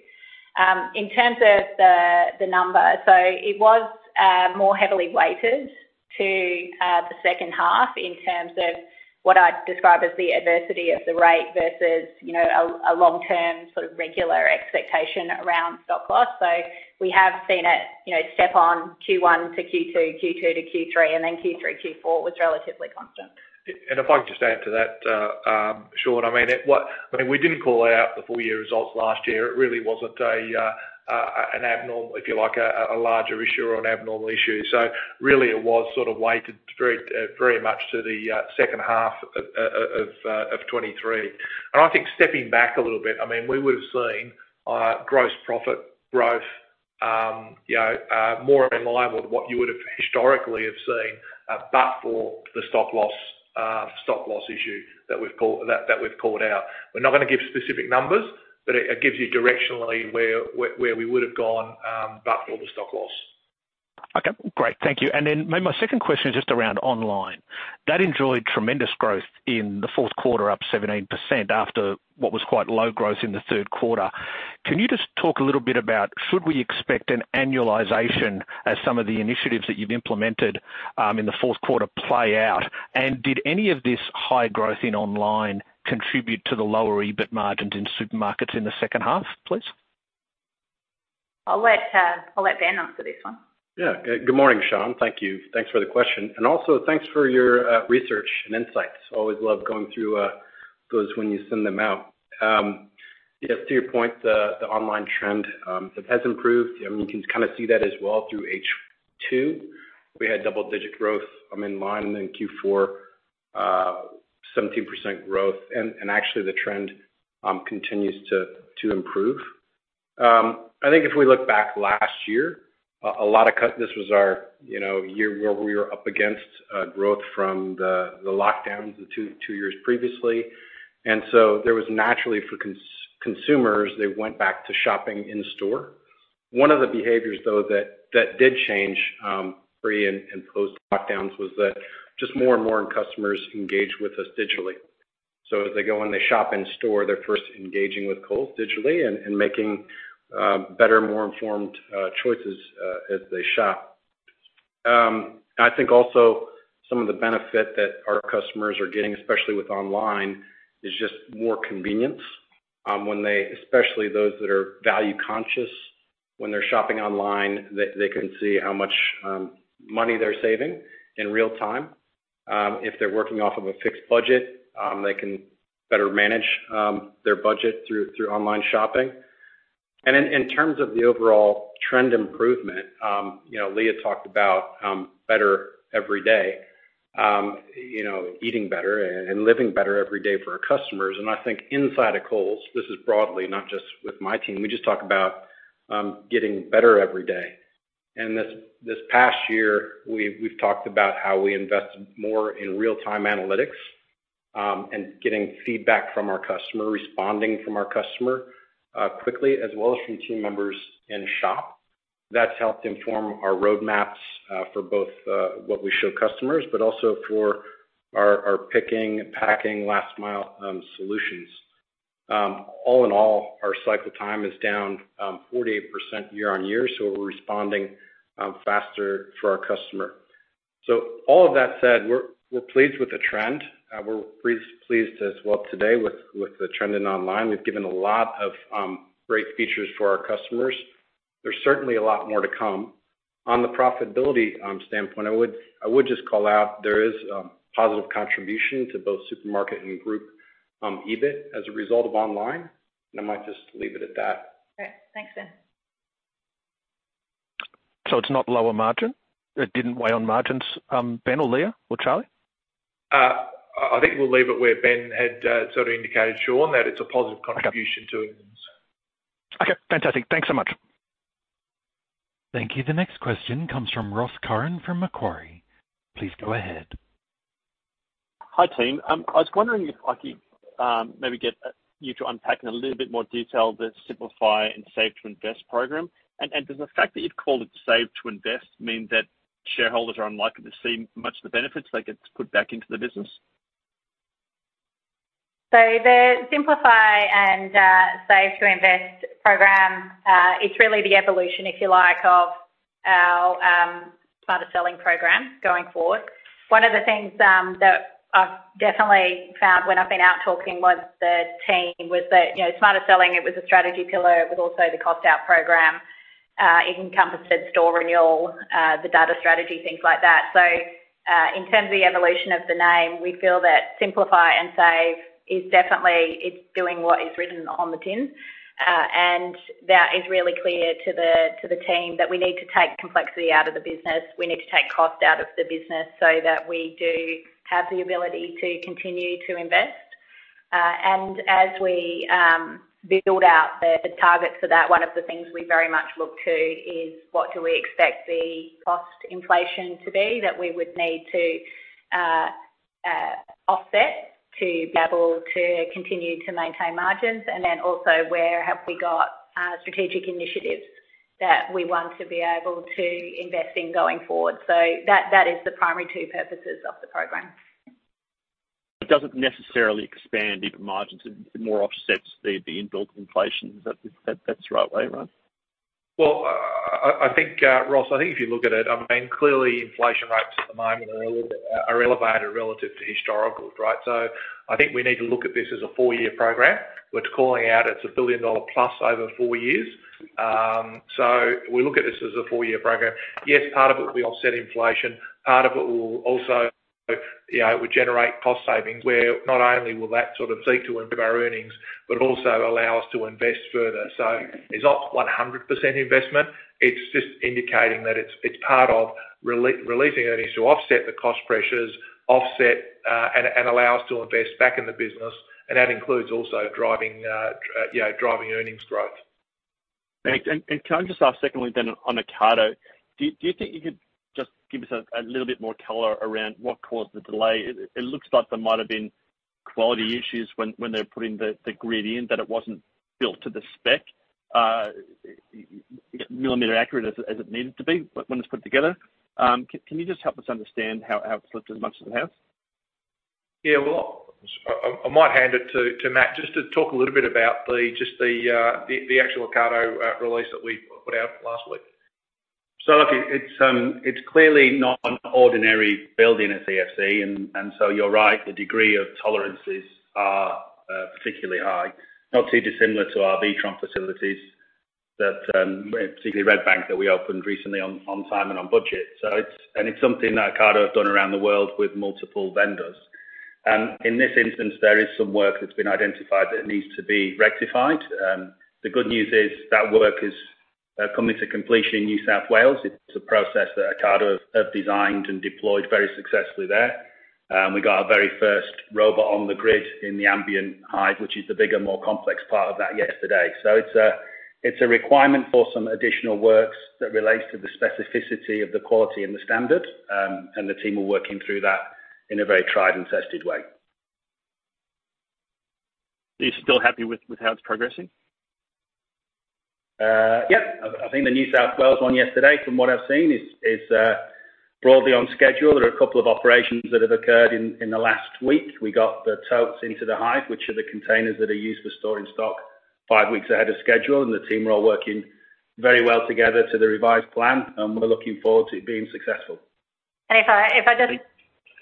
In terms of the, the number, so it was more heavily weighted to the second half in terms of what I'd describe as the adversity of the rate versus, you know, a, a long-term sort of regular expectation around stock loss. So we have seen it, you know, step on Q1 to Q2, Q2 to Q3, and then Q3, Q4 was relatively constant. If I can just add to that, Shaun, we didn't call out the full year results last year. It really wasn't an abnormal, if you like, a larger issue or an abnormal issue. Really, it was sort of weighted very, very much to the second half of 2023. I think stepping back a little bit, I mean, we would have seen gross profit growth, you know, more in line with what you would have historically have seen, but for the stock loss issue that we've called out. We're not gonna give specific numbers, but it gives you directionally where we would have gone, but for the stock loss. Okay, great. Thank you. Then my, my second question is just around online. That enjoyed tremendous growth in the fourth quarter, up 17%, after what was quite low growth in the third quarter. Can you just talk a little bit about should we expect an annualization as some of the initiatives that you've implemented, in the fourth quarter play out? Did any of this high growth in online contribute to the lower EBIT margins in supermarkets in the second half, please? I'll let, I'll let Ben answer this one. Yeah. Good morning, Shaun. Thank you. Thanks for the question. Also, thanks for your research and insights. Always love going through those when you send them out. Yeah, to your point, the, the online trend, it has improved. I mean, you can kind of see that as well through H2. We had double-digit growth, in line, and then Q4, 17% growth, and actually the trend continues to improve. I think if we look back last year, a lot of this was our, you know, year where we were up against growth from the lockdowns the two years previously. So there was naturally for consumers, they went back to shopping in store. One of the behaviors, though, that did change, pre and post-lockdowns was that just more and more customers engage with us digitally. As they go and they shop in store, they're first engaging with Coles digitally, making better, more informed choices as they shop. I think also some of the benefit that our customers are getting, especially with online, is just more convenience, when they especially those that are value conscious, when they're shopping online, they can see how much money they're saving in real time. If they're working off of a fixed budget, they can better manage their budget through online shopping. In, in terms of the overall trend improvement, you know, Leah talked about better every day, you know, eating better and living better every day for our customers. I think inside of Coles, this is broadly, not just with my team, we just talk about getting better every day. This, this past year, we've, we've talked about how we invested more in real-time analytics and getting feedback from our customer, responding from our customer quickly, as well as from team members in shop. That's helped inform our roadmaps for both what we show customers, but also for our, our picking, packing, last mile solutions. All in all, our cycle time is down 48% year-over-year, so we're responding faster for our customer. All of that said, we're, we're pleased with the trend. We're pleased, pleased as well today with, with the trend in online. We've given a lot of great features for our customers. There's certainly a lot more to come. On the profitability standpoint, I would, I would just call out there is positive contribution to both supermarket and group EBIT as a result of online, and I might just leave it at that. Great. Thanks, Ben. It's not lower margin? It didn't weigh on margins, Ben or Leah or Charlie? I think we'll leave it where Ben had, sort of indicated, Shaun, that it's a positive contribution- Okay. To it. Okay, fantastic. Thanks so much. Thank you. The next question comes from Ross Curran from Macquarie. Please go ahead. Hi, team. I was wondering if I could, maybe get you to unpack in a little bit more detail, the Simplify and Save to Invest program. Does the fact that you've called it Save to Invest mean that shareholders are unlikely to see much of the benefits that get put back into the business? The Simplify and Save to Invest program, it's really the evolution, if you like, of our Smarter Selling program going forward. One of the things that I've definitely found when I've been out talking with the team was that, you know, Smarter Selling, it was a strategy pillar. It was also the cost out program. It encompassed store renewal, the data strategy, things like that. In terms of the evolution of the name, we feel that Simplify and Save is definitely, it's doing what is written on the tin. That is really clear to the, to the team, that we need to take complexity out of the business. We need to take cost out of the business so that we do have the ability to continue to invest. As we build out the targets for that, one of the things we very much look to is what do we expect the cost inflation to be that we would need to offset, to be able to continue to maintain margins? Then also, where have we got strategic initiatives that we want to be able to invest in going forward? That, that is the primary two purposes of the program. It doesn't necessarily expand EBIT margins. It more offsets the, the inbuilt inflation. That, that, that's right way, right? Well, I, I think, Ross, I think if you look at it, I mean, clearly inflation rates at the moment are a little bit, are elevated relative to historical, right? So I think we need to look at this as a four-year program. We're calling out it's a billion-dollar plus over four years. So we look at this as a four-year program. Yes, part of it will be offset inflation, part of it will also, you know, would generate cost savings, where not only will that sort of seek to improve our earnings, but also allow us to invest further. So it's not 100% investment. It's just indicating that it's, it's part of releasing earnings to offset the cost pressures, offset, and allow us to invest back in the business, and that includes also driving, you know, driving earnings growth. Can I just ask secondly, then, on Ocado, do you think you could just give us a little bit more color around what caused the delay? It looks like there might have been quality issues when they were putting the grid in, that it wasn't built to the spec, millimeter accurate as it needed to be, when it's put together. Can you just help us understand how slipped as much as it has? Yeah. Well, I, I might hand it to, to Matt, just to talk a little bit about the, just the, the, the actual Ocado release that we put out last week. Look, it's, it's clearly not an ordinary building at CFC. You're right, the degree of tolerances are particularly high, not too dissimilar to our Witron facilities that particularly Redbank, that we opened recently on, on time and on budget. It's something that Ocado have done around the world with multiple vendors. In this instance, there is some work that's been identified that needs to be rectified. The good news is that work is coming to completion in New South Wales. It's a process that Ocado have, have designed and deployed very successfully there. We got our very first robot on the grid in the ambient hive, which is the bigger, more complex part of that yesterday. It's a, it's a requirement for some additional works that relates to the specificity of the quality and the standard, and the team are working through that in a very tried and tested way. Are you still happy with, with how it's progressing? Yep. I, I think the New South Wales one yesterday, from what I've seen, is, is broadly on schedule. There are a couple of operations that have occurred in, in the last week. We got the totes into the hive, which are the containers that are used for storing stock, five weeks ahead of schedule, and the team are all working very well together to the revised plan, and we're looking forward to it being successful. If I, if I just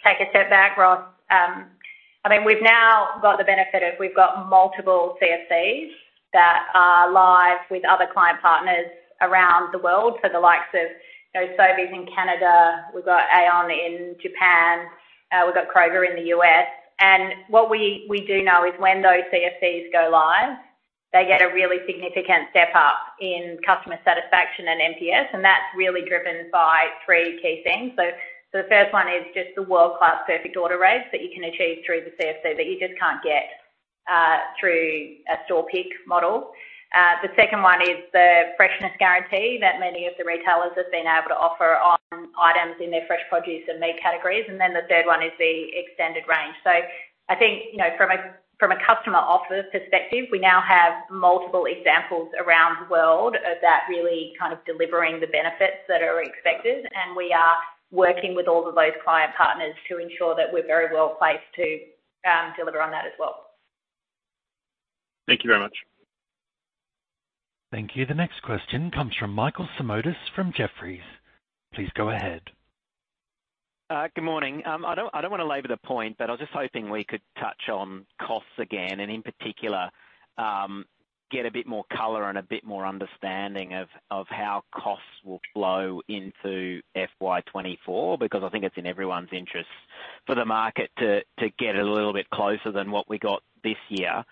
take a step back, Ross, I mean, we've now got the benefit of we've got multiple CFCs that are live with other client partners around the world. The likes of, you know, Sobeys in Canada, we've got Aeon in Japan, we've got Kroger in the US. What we, we do know is when those CFCs go live, they get a really significant step up in customer satisfaction and NPS, and that's really driven by three key things. So the first one is just the world-class perfect order rates that you can achieve through the CFC, that you just can't get, through a store pick model. The second one is the freshness guarantee that many of the retailers have been able to offer on items in their fresh produce and meat categories. Then the third one is the extended range. I think, you know, from a, from a customer offer perspective, we now have multiple examples around the world of that really kind of delivering the benefits that are expected. We are working with all of those client partners to ensure that we're very well placed to deliver on that as well. Thank you very much. Thank you. The next question comes from Michael Simotas from Jefferies. Please go ahead. Good morning. I don't, I don't wanna labor the point, but I was just hoping we could touch on costs again, and in particular, get a bit more color and a bit more understanding of how costs will flow into FY 2024, because I think it's in everyone's interest for the market to get a little bit closer than what we got this year.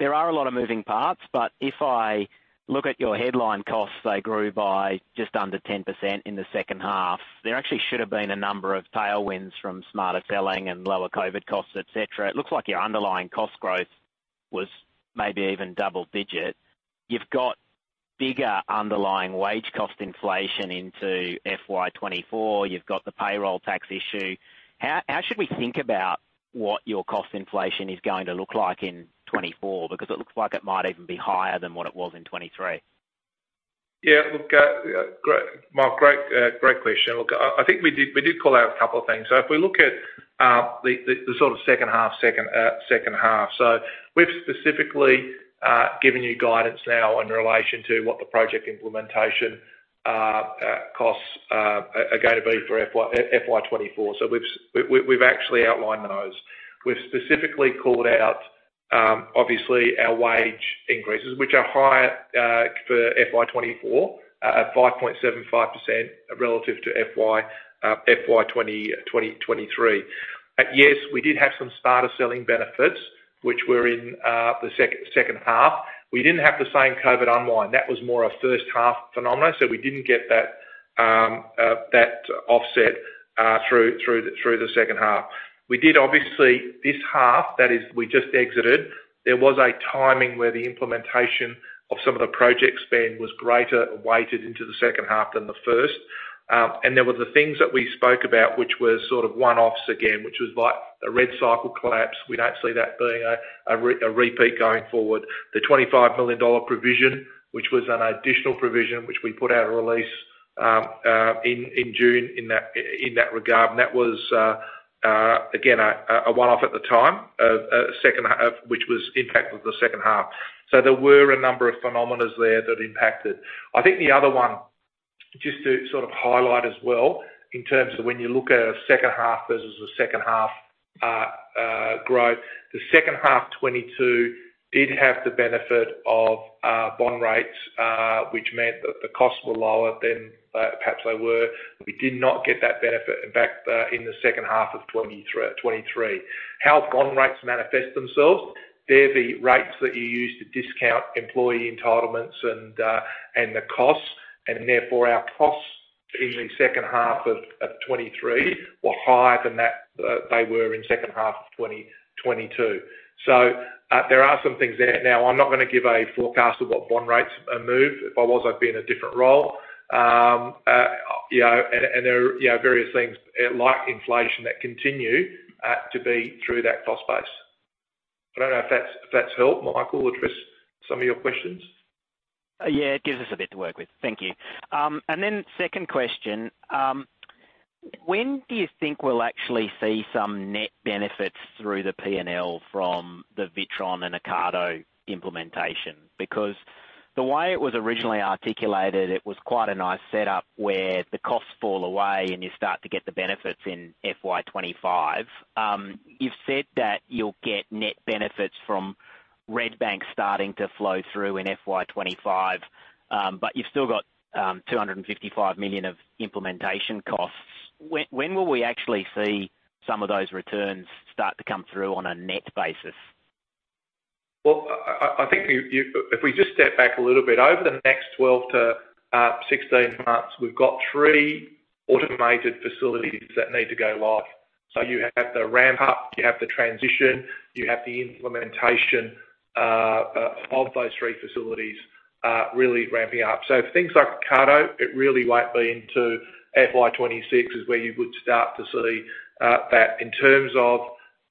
There are a lot of moving parts. If I look at your headline costs, they grew by just under 10% in the second half. There actually should have been a number of tailwinds from Smarter Selling and lower COVID costs, et cetera. It looks like your underlying cost growth was maybe even double digit. You've got bigger underlying wage cost inflation into FY 2024. You've got the payroll tax issue. How, how should we think about what your cost inflation is going to look like in 2024? Because it looks like it might even be higher than what it was in 2023. Yeah, look, great, Mark, great, great question. Look, I, I think we did, we did call out a couple of things. If we look at the, the, the sort of second half, second, second half, we've specifically given you guidance now in relation to what the project implementation costs are gonna be for FY 2024. We've, we've, we've actually outlined those. We've specifically called out, obviously, our wage increases, which are higher for FY 2024, at 5.75% relative to FY 2023. At yes, we did have some Smarter Selling benefits, which were in the second, second half. We didn't have the same COVID unwind. That was more a first half phenomenon. We didn't get that offset through the second half. We did obviously this half, that is, we just exited, there was a timing where the implementation of some of the project spend was greater and weighted into the second half than the first. There were the things that we spoke about, which were sort of one-offs again, which was like the REDcycle collapse. We don't see that being a repeat going forward. The 25 million dollar provision, which was an additional provision, which we put out a release in June in that regard. That was again a one-off at the time, which was impact of the second half. There were a number of phenomena there that impacted. I think the other one, just to sort of highlight as well, in terms of when you look at a second half versus the second half growth, the second half 2022 did have the benefit of bond rates, which meant that the costs were lower than perhaps they were. We did not get that benefit back in the second half of 2023, 2023. How bond rates manifest themselves, they're the rates that you use to discount employee entitlements and the costs, and therefore, our costs in the second half of 2023 were higher than that, they were in second half of 2022. There are some things there. I'm not gonna give a forecast of what bond rates are moved. If I was, I'd be in a different role. you know, and there are, you know, various things like inflation that continue, to be through that cost base. I don't know if that's, if that's helped, Michael, address some of your questions? Yeah, it gives us a bit to work with. Thank you. Then second question, when do you think we'll actually see some net benefits through the P&L from the Witron and Ocado implementation? Because the way it was originally articulated, it was quite a nice setup where the costs fall away and you start to get the benefits in FY 2025. You've said that you'll get net benefits from Redbank starting to flow through in FY 2025, but you've still got 255 million of implementation costs. When will we actually see some of those returns start to come through on a net basis? Well, I, I, I think you, you if we just step back a little bit, over the next 12 to 16 months, we've got 3 automated facilities that need to go live. So you have the ramp up, you have the transition, you have the implementation of those 3 facilities really ramping up. So things like Ocado, it really won't be into FY 2026, is where you would start to see that. In terms of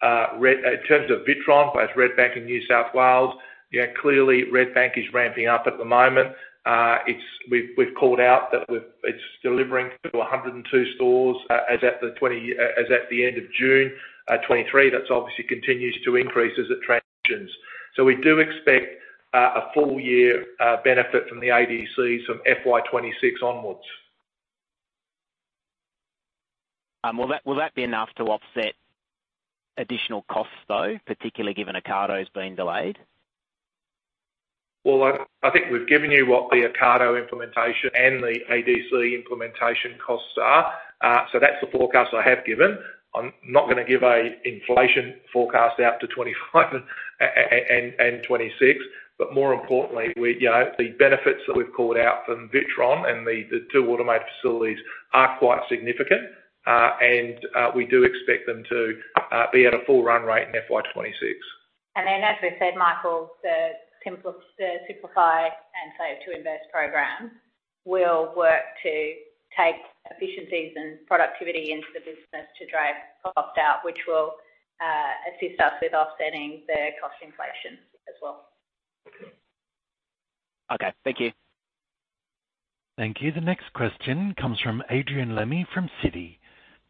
in terms of Witron, both Redbank and New South Wales, yeah, clearly, Redbank is ramping up at the moment. It's we've, we've called out that it's delivering to 102 stores as at the 20, as at the end of June 2023. That's obviously continues to increase as it transitions. we do expect, a full year, benefit from the ADC from FY 2026 onwards. Will that, will that be enough to offset additional costs, though, particularly given Ocado's been delayed? Well, I, I think we've given you what the Ocado implementation and the ADC implementation costs are. That's the forecast I have given. I'm not gonna give a inflation forecast out to 2025 and 2026. More importantly, we, you know, the benefits that we've called out from Witron and the two automated facilities are quite significant, and we do expect them to be at a full run rate in FY 2026. Then, as we've said, Michael, the Simplify and Save to Invest program will work to take efficiencies and productivity into the business to drive cost out, which will assist us with offsetting the cost inflation as well. Okay. Okay. Thank you. Thank you. The next question comes from Adrian Lemme from Citi.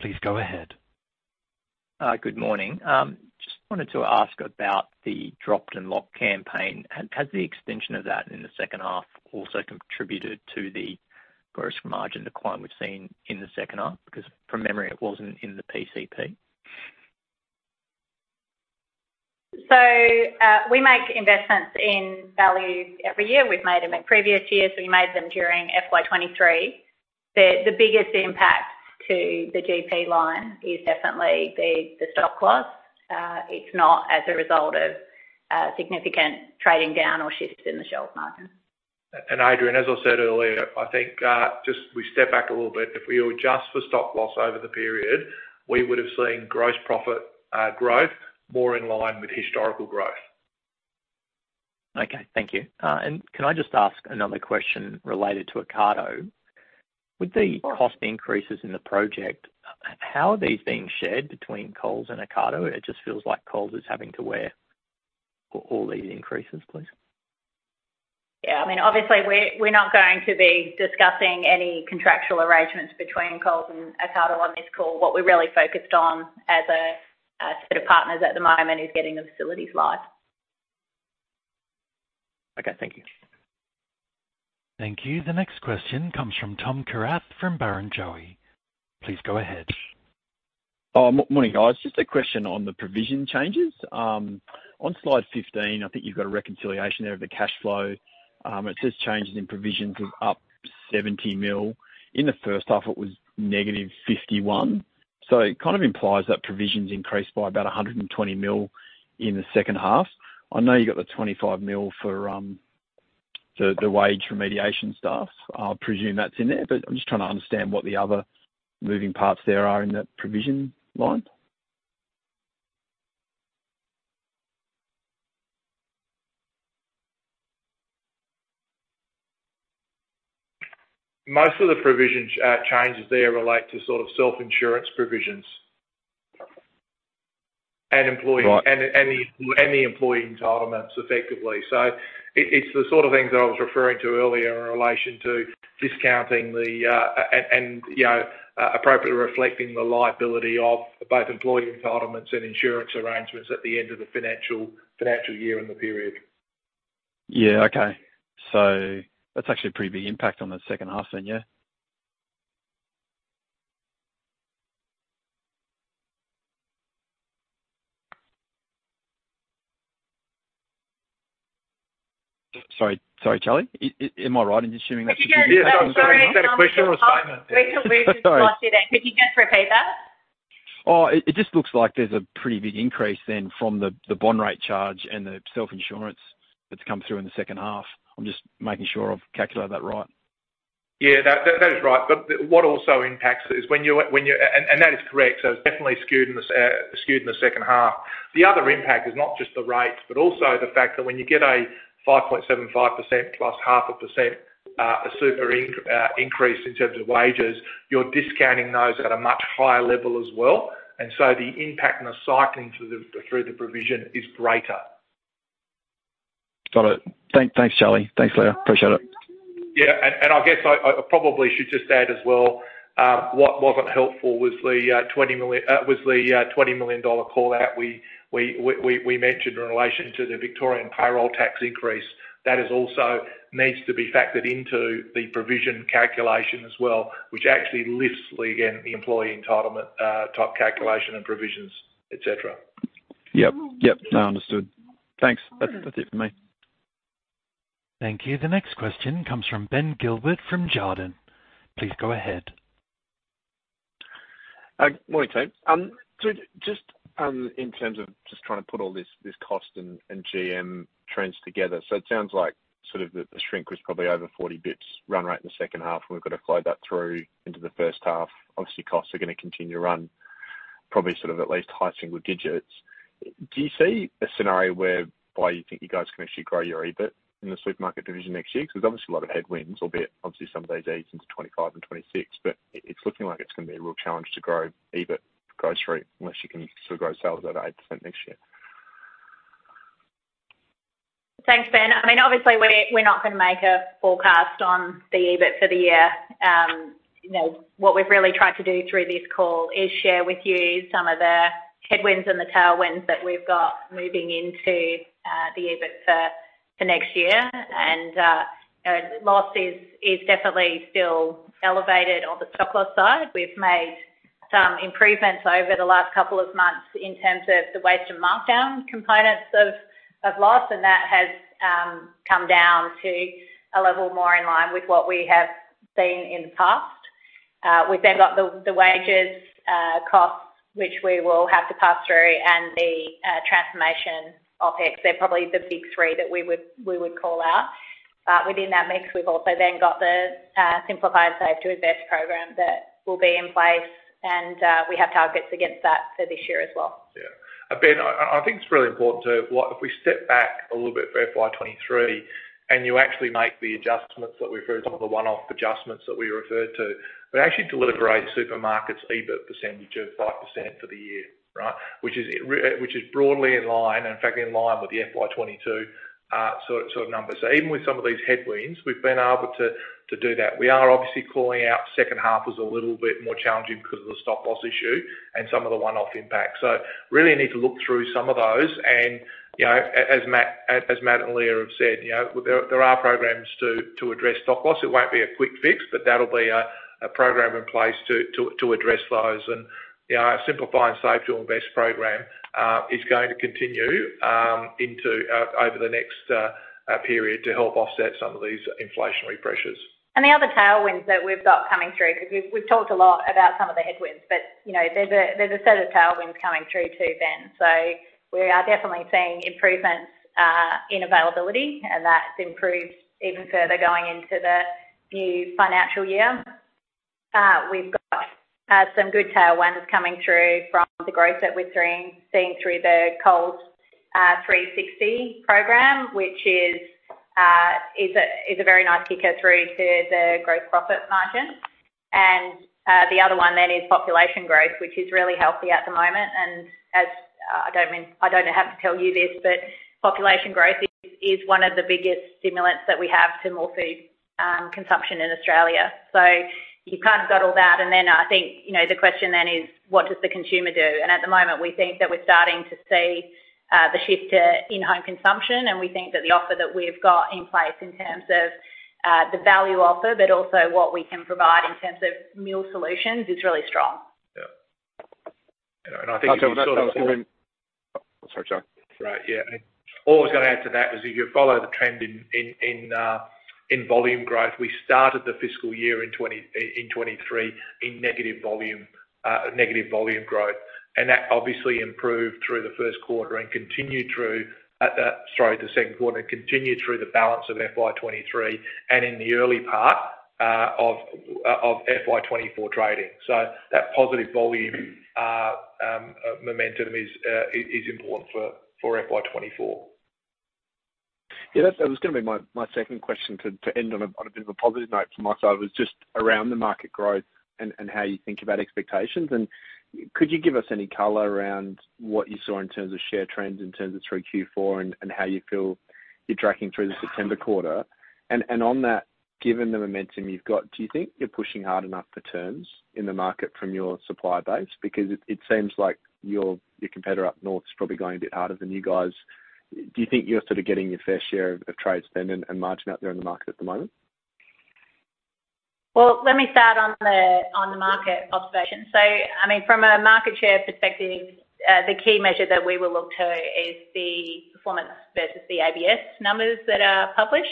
Please go ahead. Good morning. Just wanted to ask about the Dropped & Locked campaign. Has the extension of that in the second half also contributed to the gross margin decline we've seen in the second half? Because from memory, it wasn't in the PCP. We make investments in value every year. We've made them in previous years. We made them during FY 2023. The biggest impact to the GP line is definitely the stock loss. It's not as a result of significant trading down or shifts in the shelf margin. Adrian, as I said earlier, I think, just we step back a little bit. If we adjust for stock loss over the period, we would have seen gross profit growth more in line with historical growth. Okay, thank you. Can I just ask another question related to Ocado? Sure. With the cost increases in the project, how are these being shared between Coles and Ocado? It just feels like Coles is having to wear all these increases, please. Yeah, I mean, obviously, we're, we're not going to be discussing any contractual arrangements between Coles and Ocado on this call. What we're really focused on as a, a set of partners at the moment is getting the facilities live. Okay, thank you. Thank you. The next question comes from Tom Kierath from Barrenjoey. Please go ahead. Morning, guys. Just a question on the provision changes. On Slide 15, I think you've got a reconciliation there of the cash flow. It says changes in provisions is up 70 million. In the first half, it was negative 51. It kind of implies that provisions increased by about 120 million in the second half. I know you got the 25 million for the wage remediation stuff. I'll presume that's in there, but I'm just trying to understand what the other moving parts there are in that provision line. Most of the provision changes there relate to sort of self-insurance provisions. Employee- Right. The employee entitlements effectively. It's the sort of things that I was referring to earlier in relation to discounting the. You know, appropriately reflecting the liability of both employee entitlements and insurance arrangements at the end of the financial, financial year and the period. Yeah, okay. That's actually a pretty big impact on the second half then, yeah? Sorry, sorry, Charlie, is, am I right in assuming that-... Yeah, is that a question or a statement? Could you just repeat that? Oh, it just looks like there's a pretty big increase then from the bond rate charge and the self-insurance that's come through in the second half. I'm just making sure I've calculated that right. Yeah, that, that, that is right. What also impacts is when you're, when you... And that is correct, so it's definitely skewed in the skewed in the second half. The other impact is not just the rates, but also the fact that when you get a 5.75% plus 0.5% superinc- increase in terms of wages, you're discounting those at a much higher level as well, and so the impact and the cycling through the, through the provision is greater. Got it. Thanks, Charlie. Thanks, Leah. Appreciate it. Yeah, I guess I probably should just add as well, what wasn't helpful was the 20 million dollar, was the 20 million dollar call-out we mentioned in relation to the Victorian payroll tax increase. That is also needs to be factored into the provision calculation as well, which actually lifts again, the employee entitlement top calculation and provisions, et cetera. Yep, yep. No, understood. Thanks. That's, that's it for me. Thank you. The next question comes from Ben Gilbert from Jarden. Please go ahead. Morning, team. In terms of just trying to put all this, this cost and GM trends together, the shrink was probably over 40 basis points run rate in the second half, and we've got to flow that through into the first half. Costs are going to continue to run at least high single digits. Do you see a scenario whereby you think you guys can actually grow your EBIT in the supermarket division next year? Because a lot of headwinds, albeit some of these into 2025 and 2026, it's a real challenge to grow EBIT grocery unless you can still grow sales at 8% next year. Thanks, Ben. I mean, obviously, we're, we're not going to make a forecast on the EBIT for the year. You know, what we've really tried to do through this call is share with you some of the headwinds and the tailwinds that we've got moving into, the EBIT for, for next year. Loss is, is definitely still elevated on the stock loss side. We've made some improvements over the last couple of months in terms of the waste and markdown components of, of loss, and that has, come down to a level more in line with what we have seen in the past. We've then got the, the wages, costs, which we will have to pass through, and the, transformation OpEx. They're probably the big three that we would, we would call out. Within that mix, we've also then got the Simplify and Save to Invest program that will be in place, and we have targets against that for this year as well. Yeah. Ben, I think it's really important to what if we step back a little bit for FY 2023, and you actually make the adjustments that we've heard, some of the one-off adjustments that we referred to, we actually delivered great supermarkets EBIT percentage of 5% for the year, right. Which is broadly in line, and in fact, in line with the FY 2022 sort of numbers. Even with some of these headwinds, we've been able to do that. We are obviously calling out second half as a little bit more challenging because of the stock loss issue and some of the one-off impacts. Really need to look through some of those and, you know, as Matt and Leah have said, you know, there are programs to address stock loss. It won't be a quick fix, but that'll be a program in place to address those. You know, our Simplify and Save to Invest program is going to continue into over the next period to help offset some of these inflationary pressures. The other tailwinds that we've got coming through, because we've talked a lot about some of the headwinds, but, you know, there's a set of tailwinds coming through, too, Ben. We are definitely seeing improvements in availability, and that's improved even further going into the new financial year. We've got some good tailwinds coming through from the growth that we're seeing through the Coles 360 program, which is a very nice kicker through to the gross profit margin. The other one then is population growth, which is really healthy at the moment, and as I don't mean, I don't have to tell you this, but population growth is one of the biggest stimulants that we have to more food consumption in Australia. You've kind of got all that, and then I think, you know, the question then is: What does the consumer do? At the moment, we think that we're starting to see the shift to in-home consumption, and we think that the offer that we've got in place in terms of the value offer, but also what we can provide in terms of meal solutions, is really strong. Yeah. I think- Sorry, Charlie. Right. Yeah. All I was going to add to that was, if you follow the trend in, in, in volume growth, we started the fiscal year in 2023 in negative volume, negative volume growth. That obviously improved through the first quarter and continued through the second quarter, and continued through the balance of FY 2023 and in the early part of FY 2024 trading. That positive volume momentum is important for FY 2024. Yeah, that's, that was gonna be my, my second question to, to end on a, on a bit of a positive note from my side was just around the market growth and, and how you think about expectations. Could you give us any color around what you saw in terms of share trends, in terms of through Q4 and, and how you feel you're tracking through the September quarter? And on that, given the momentum you've got, do you think you're pushing hard enough for terms in the market from your supplier base? Because it, it seems like your, your competitor up north is probably going a bit harder than you guys. Do you think you're sort of getting your fair share of, of trade spend and, and margin out there in the market at the moment? Well, let me start on the, on the market observation. I mean, from a market share perspective, the key measure that we will look to is the performance versus the ABS numbers that are published.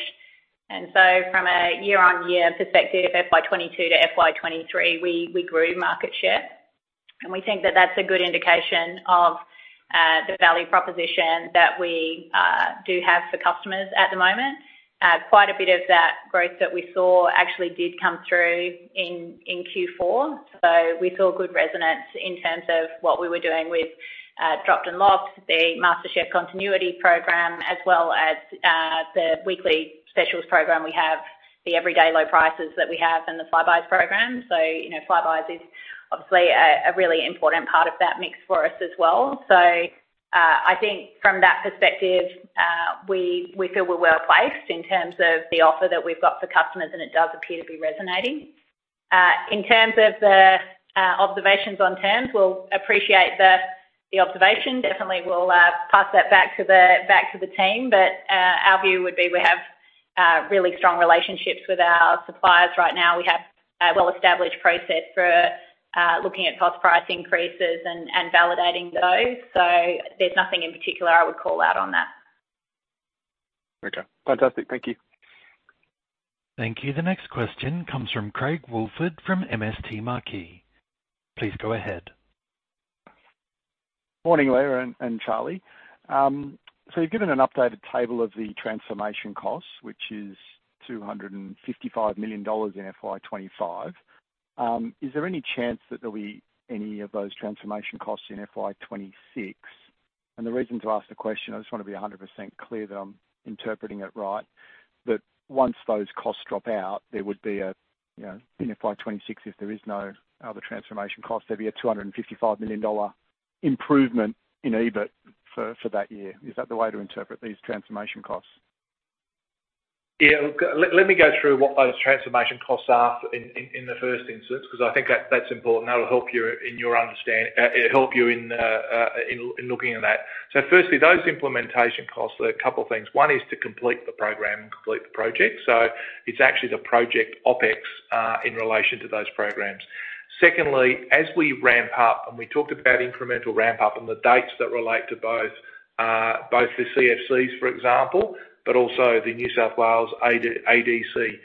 From a year-on-year perspective, FY 2022-FY 2023, we, we grew market share, and we think that that's a good indication of the value proposition that we do have for customers at the moment. Quite a bit of that growth that we saw actually did come through in, in Q4. We saw good resonance in terms of what we were doing with Dropped & Locked, the MasterChef Continuity program, as well as the weekly specials program we have, the everyday low prices that we have, and the Flybuys program. you know, Flybuys is obviously a, a really important part of that mix for us as well. I think from that perspective, we, we feel we're well placed in terms of the offer that we've got for customers, and it does appear to be resonating. In terms of the, observations on terms, we'll appreciate the, the observation. Definitely, we'll, pass that back to the, back to the team. Our view would be we have, really strong relationships with our suppliers right now. We have a well-established process for, looking at cost price increases and, and validating those, so there's nothing in particular I would call out on that. Okay, fantastic. Thank you. Thank you. The next question comes from Craig Woolford, from MST Marquee. Please go ahead. Morning, Leah and, and Charlie. you've given an updated table of the transformation costs, which is 255 million dollars in FY 2025. Is there any chance that there'll be any of those transformation costs in FY 2026? The reason to ask the question, I just want to be 100% clear that I'm interpreting it right, that once those costs drop out, there would be a, you know, in FY 2026, if there is no other transformation costs, there'd be a 255 million dollar improvement in EBIT for, for that year. Is that the way to interpret these transformation costs? Yeah. Let me go through what those transformation costs are in the first instance, because I think that, that's important, and that'll help you in your understanding, it'll help you in looking at that. Firstly, those implementation costs are a couple of things. One is to complete the program and complete the project. It's actually the project OpEx in relation to those programs. Secondly, as we ramp up, and we talked about incremental ramp-up and the dates that relate to both the CFCs, for example, but also the New South Wales ADC.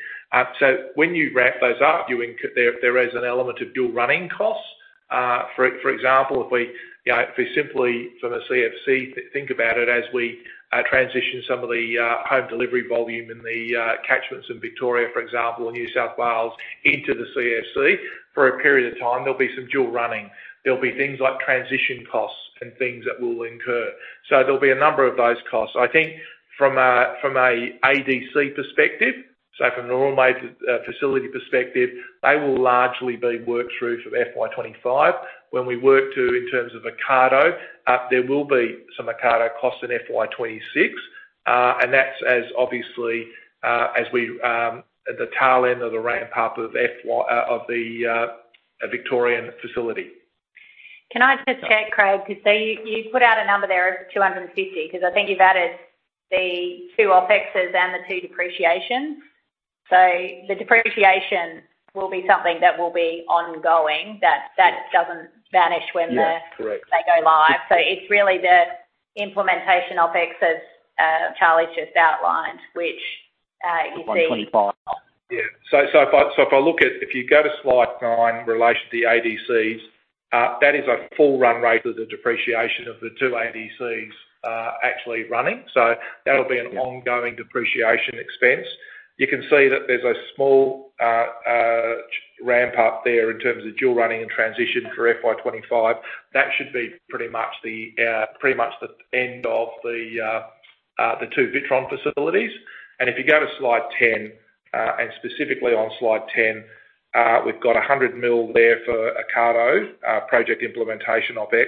When you wrap those up, there is an element of dual running costs. For example, if we, you know, if we simply from a CFC, think about it, as we transition some of the home delivery volume in the catchments in Victoria, for example, and New South Wales into the CFC for a period of time, there'll be some dual running. There'll be things like transition costs and things that will incur. There'll be a number of those costs. I think from a, from a ADC perspective, so from a normalized facility perspective, they will largely be worked through for FY 2025. When we work to, in terms of Ocado, there will be some Ocado costs in FY 2026.... and that's as obviously, as we, at the tail end of the ramp-up of FY- of the, Victorian facility. Can I just check, Craig? Because you, you put out a number there of 250, because I think you've added the 2 OpExes and the 2 depreciations. The depreciation will be something that will be ongoing, that, that doesn't vanish when the- Yes, correct. they go live. It's really the implementation OpEx as Charlie just outlined, which, you see- 125. Yeah. So if I look at if you go to Slide 9, in relation to the ADCs, that is a full run rate of the depreciation of the two ADCs, actually running. So that'll be an ongoing depreciation expense. You can see that there's a small ramp up there in terms of dual running and transition for FY 2025. That should be pretty much the end of the two Witron facilities. If you go to Slide 10, and specifically on Slide 10, we've got 100 million there for Ocado, project implementation OpEx,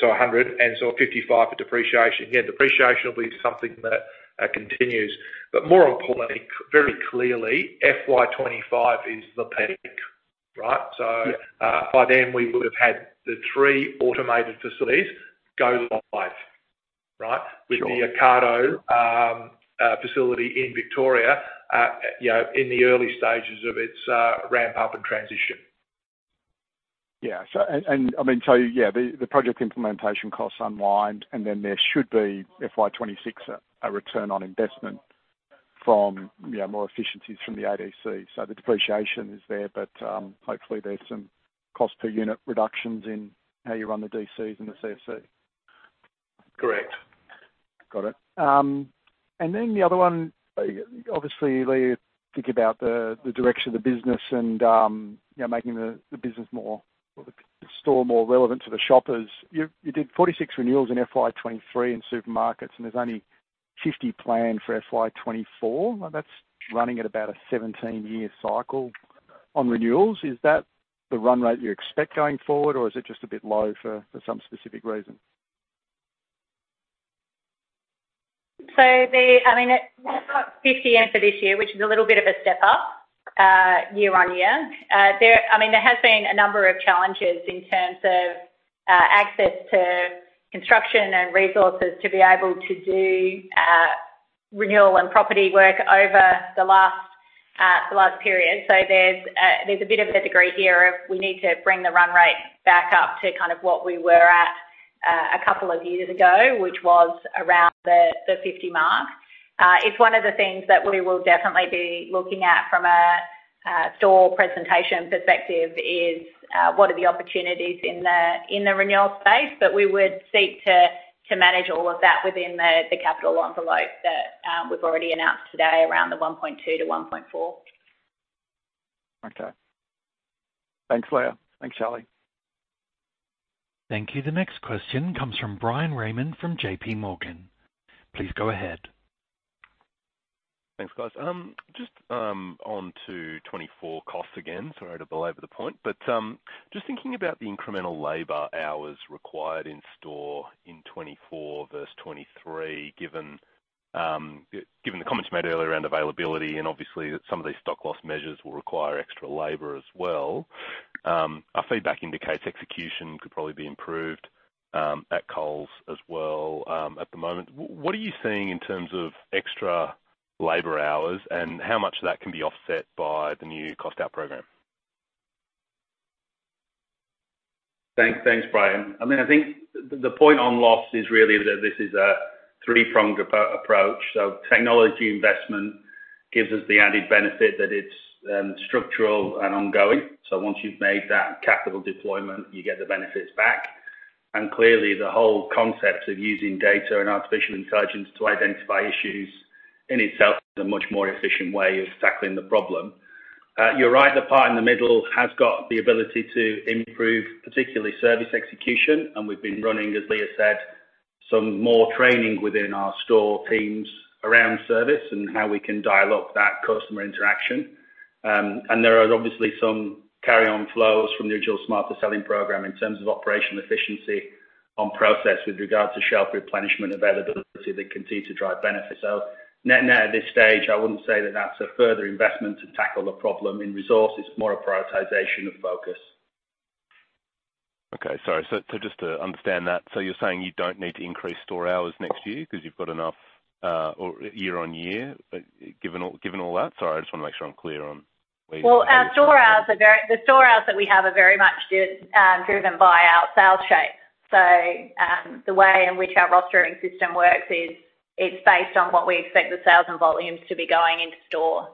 so 100, and so 55 for depreciation. Again, depreciation will be something that continues. But more importantly, very clearly, FY 2025 is the peak, right? Yeah. By then, we would have had the 3 automated facilities go live, right? Sure. With the Ocado facility in Victoria, you know, in the early stages of its ramp up and transition. The project implementation costs unwind, and then there should be FY 2026, a return on investment from more efficiencies from the ADC. The depreciation is there, but hopefully, there's some cost per unit reductions in how you run the DCs and the CSC. Correct. Got it. Then the other one, obviously, Leah, think about the direction of the business and, you know, making the business more or the store more relevant to the shoppers. You, you did 46 renewals in FY 2023 in supermarkets, and there's only 50 planned for FY 2024. That's running at about a 17-year cycle on renewals. Is that the run rate you expect going forward, or is it just a bit low for, for some specific reason? The... I mean, it, we've got 58 for this year, which is a little bit of a step up, year on year. There, I mean, there has been a number of challenges in terms of access to construction and resources to be able to do renewal and property work over the last, the last period. There's, there's a bit of a degree here of we need to bring the run rate back up to kind of what we were at, a couple of years ago, which was around the, the 50 mark. It's one of the things that we will definitely be looking at from a, a store presentation perspective, is what are the opportunities in the, in the renewal space, but we would seek to, to manage all of that within the, the capital envelope that we've already announced today around the 1.2 billion-1.4 billion. Okay. Thanks, Leah. Thanks, Charlie. Thank you. The next question comes from Bryan Raymond, from J.P. Morgan. Please go ahead. Thanks, guys. Just on to 2024 costs again, sorry to belabor the point, just thinking about the incremental labor hours required in store in 2024 versus 2023, given given the comments you made earlier around availability, and obviously, that some of these stock loss measures will require extra labor as well, our feedback indicates execution could probably be improved at Coles as well at the moment. What are you seeing in terms of extra labor hours, and how much of that can be offset by the new cost out program? Thank, thanks, Bryan. I mean, I think the, the point on loss is really that this is a three-pronged appra- approach. Technology investment gives us the added benefit that it's structural and ongoing. Once you've made that capital deployment, you get the benefits back. Clearly, the whole concept of using data and artificial intelligence to identify issues in itself is a much more efficient way of tackling the problem. You're right, the part in the middle has got the ability to improve, particularly service execution, and we've been running, as Leah said, some more training within our store teams around service and how we can dial up that customer interaction. There are obviously some carry-on flows from the Agile Smarter Selling program in terms of operational efficiency on process with regard to shelf replenishment availability that continue to drive benefits. Net net, at this stage, I wouldn't say that that's a further investment to tackle the problem in resources, more a prioritization of focus. Okay, sorry. So just to understand that, so you're saying you don't need to increase store hours next year because you've got enough, or year-on-year, but given all, given all that? Sorry, I just want to make sure I'm clear on where you... The store hours that we have are very much just driven by our sales shape. The way in which our rostering system works is, it's based on what we expect the sales and volumes to be going into store.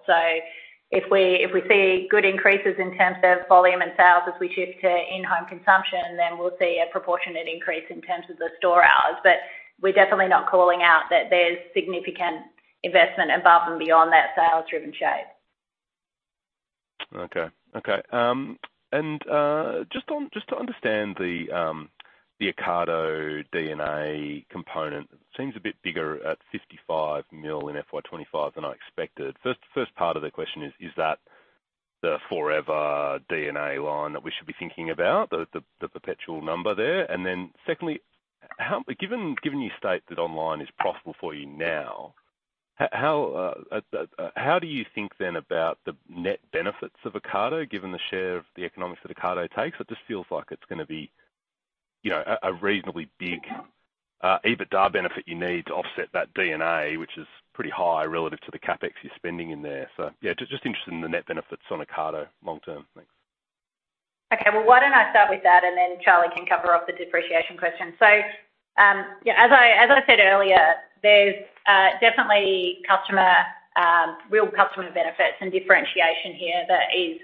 If we, if we see good increases in terms of volume and sales as we shift to in-home consumption, then we'll see a proportionate increase in terms of the store hours. We're definitely not calling out that there's significant investment above and beyond that sales-driven shape. Okay, okay. just on, just to understand the Ocado D&A component, seems a bit bigger at 55 million in FY 2025 than I expected. First, first part of the question is, is that-... the forever D&A line that we should be thinking about, the, the perpetual number there? Secondly, how given, given you state that online is profitable for you now, how, how do you think then about the net benefits of Ocado, given the share of the economics that Ocado takes? It just feels like it's gonna be, you know, a, a reasonably big EBITDA benefit you need to offset that D&A, which is pretty high relative to the CapEx you're spending in there. Yeah, just, just interested in the net benefits on Ocado long term. Thanks. Well, why don't I start with that, and then Charlie can cover off the depreciation question. Yeah, as I, as I said earlier, there's definitely customer real customer benefits and differentiation here that is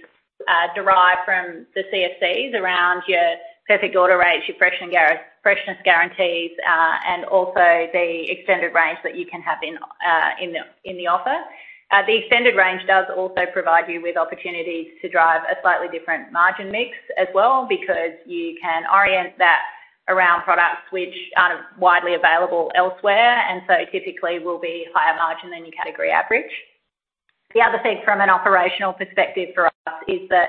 derived from the CFCs around your perfect order rates, your freshness guarantees, and also the extended range that you can have in the offer. The extended range does also provide you with opportunities to drive a slightly different margin mix as well, because you can orient that around products which aren't widely available elsewhere, and so typically will be higher margin than your category average. The other thing from an operational perspective for us is that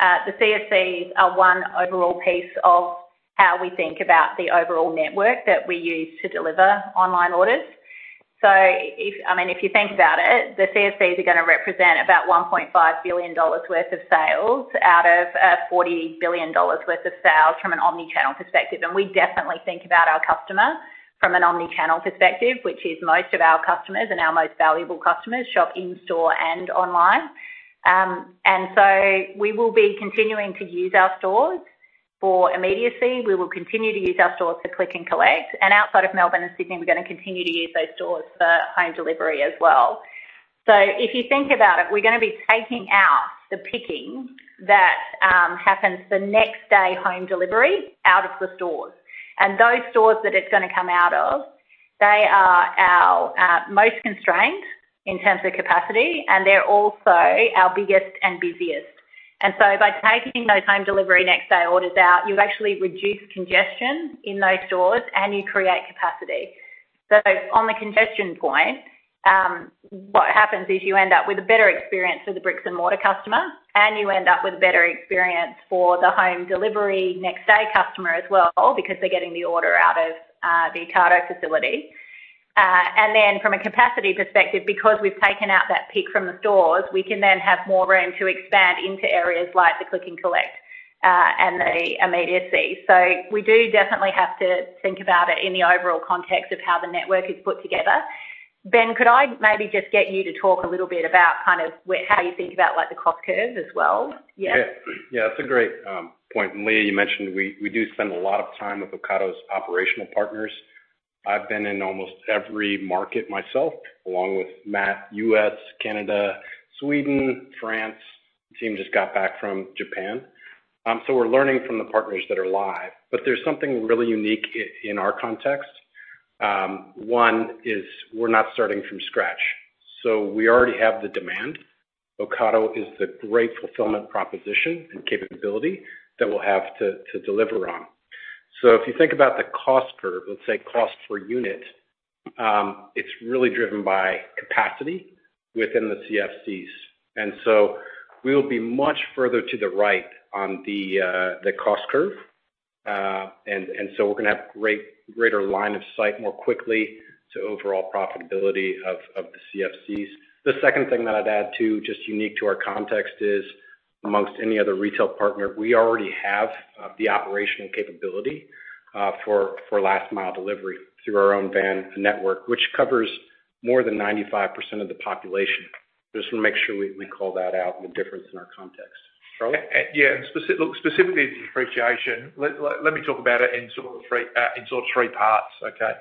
the CFCs are one overall piece of how we think about the overall network that we use to deliver online orders. I mean, if you think about it, the CFCs are gonna represent about 1.5 billion dollars worth of sales out of 40 billion dollars worth of sales from an omni-channel perspective. We definitely think about our customer from an omni-channel perspective, which is most of our customers and our most valuable customers, shop in store and online. We will be continuing to use our stores for immediacy. We will continue to use our stores for click and collect, and outside of Melbourne and Sydney, we're gonna continue to use those stores for home delivery as well. If you think about it, we're gonna be taking out the picking that happens the next day, home delivery, out of the stores. Those stores that it's gonna come out of, they are our most constrained in terms of capacity, and they're also our biggest and busiest. By taking those home delivery next day orders out, you actually reduce congestion in those stores, and you create capacity. On the congestion point, what happens is you end up with a better experience for the bricks-and-mortar customer, and you end up with a better experience for the home delivery next day customer as well, because they're getting the order out of the Ocado facility. From a capacity perspective, because we've taken out that pick from the stores, we can then have more room to expand into areas like the click and collect, and the immediacy. We do definitely have to think about it in the overall context of how the network is put together. Ben, could I maybe just get you to talk a little bit about kind of how you think about, like, the cost curve as well? Yeah. Yeah, yeah, that's a great point. Leah, you mentioned we, we do spend a lot of time with Ocado's operational partners. I've been in almost every market myself, along with Matt, US, Canada, Sweden, France. Team just got back from Japan. We're learning from the partners that are live, but there's something really unique in our context. One, is we're not starting from scratch, so we already have the demand. Ocado is the great fulfillment, proposition, and capability that we'll have to, to deliver on. If you think about the cost curve, let's say cost per unit, it's really driven by capacity within the CFCs, and so we'll be much further to the right on the cost curve. We're gonna have greater line of sight more quickly to overall profitability of, of the CFCs. The second thing that I'd add, too, just unique to our context, is amongst any other retail partner, we already have, the operational capability, for last mile delivery through our own van network, which covers more than 95% of the population. Just wanna make sure we call that out the difference in our context. Charlie? Yeah, look, specifically the depreciation. Let me talk about it in sort of three, in sort of three parts, okay?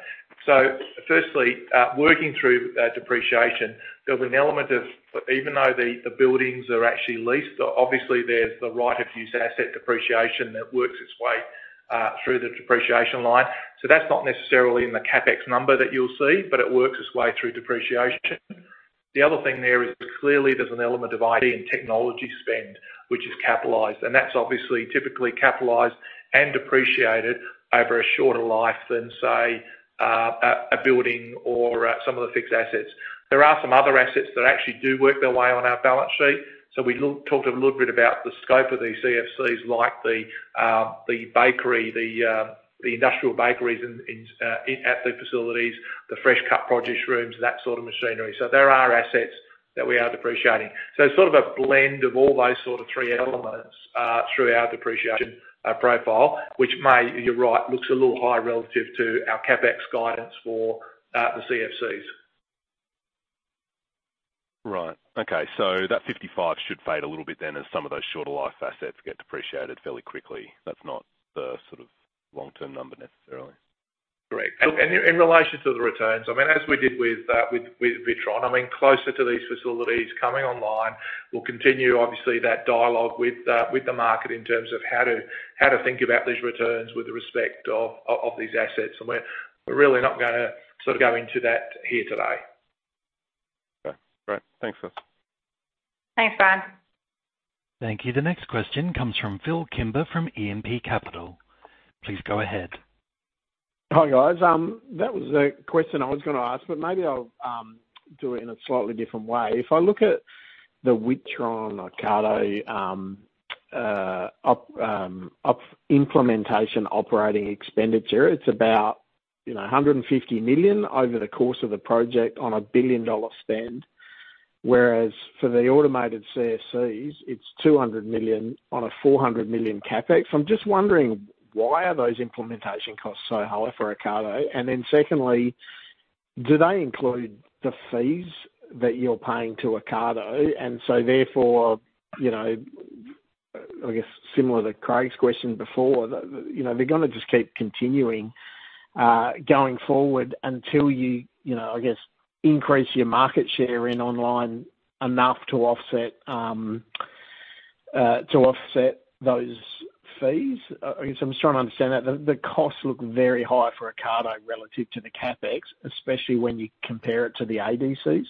Firstly, working through depreciation, there was an element of even though the buildings are actually leased, obviously there's the right of use asset depreciation that works its way through the depreciation line. That's not necessarily in the CapEx number that you'll see, but it works its way through depreciation. The other thing there is clearly there's an element of IT and technology spend, which is capitalized, and that's obviously typically capitalized and depreciated over a shorter life than, say, a building or some of the fixed assets. There are some other assets that actually do work their way on our balance sheet. Talked a little bit about the scope of these CFCs, like the, the bakery, the, the industrial bakeries in, in, at the facilities, the fresh cut produce rooms, that sort of machinery. There are assets that we are depreciating. Sort of a blend of all those sort of three elements, through our depreciation, profile, which may, you're right, looks a little higher relative to our CapEx guidance for, the CFCs. Right. Okay, that 55 should fade a little bit then, as some of those shorter life assets get depreciated fairly quickly. That's not the sort of long-term number necessarily. Correct. In relation to the returns, I mean, as we did with, with, with Witron, I mean, closer to these facilities coming online, we'll continue obviously that dialogue with the, with the market in terms of how to, how to think about these returns with respect of, of, of these assets. We're, we're really not gonna sort of go into that here today. Okay, great. Thanks, guys. Thanks, Bryan. Thank you. The next question comes from Phillip Kimber, from E&P Capital. Please go ahead. Hi, guys. That was a question I was gonna ask, but maybe I'll do it in a slightly different way. If I look at the Witron Ocado implementation operating expenditure, it's about, you know, 150 million over the course of the project on a 1 billion dollar spend. Whereas for the automated CFCs, it's 200 million on a 400 million CapEx. I'm just wondering, why are those implementation costs so high for Ocado? Secondly, do they include the fees that you're paying to Ocado, and so therefore, you know, I guess similar to Craig's question before, you know, they're gonna just keep continuing going forward until you, you know, I guess, increase your market share in online enough to offset those fees? I guess I'm just trying to understand that. The costs look very high for Ocado relative to the CapEx, especially when you compare it to the ADCs.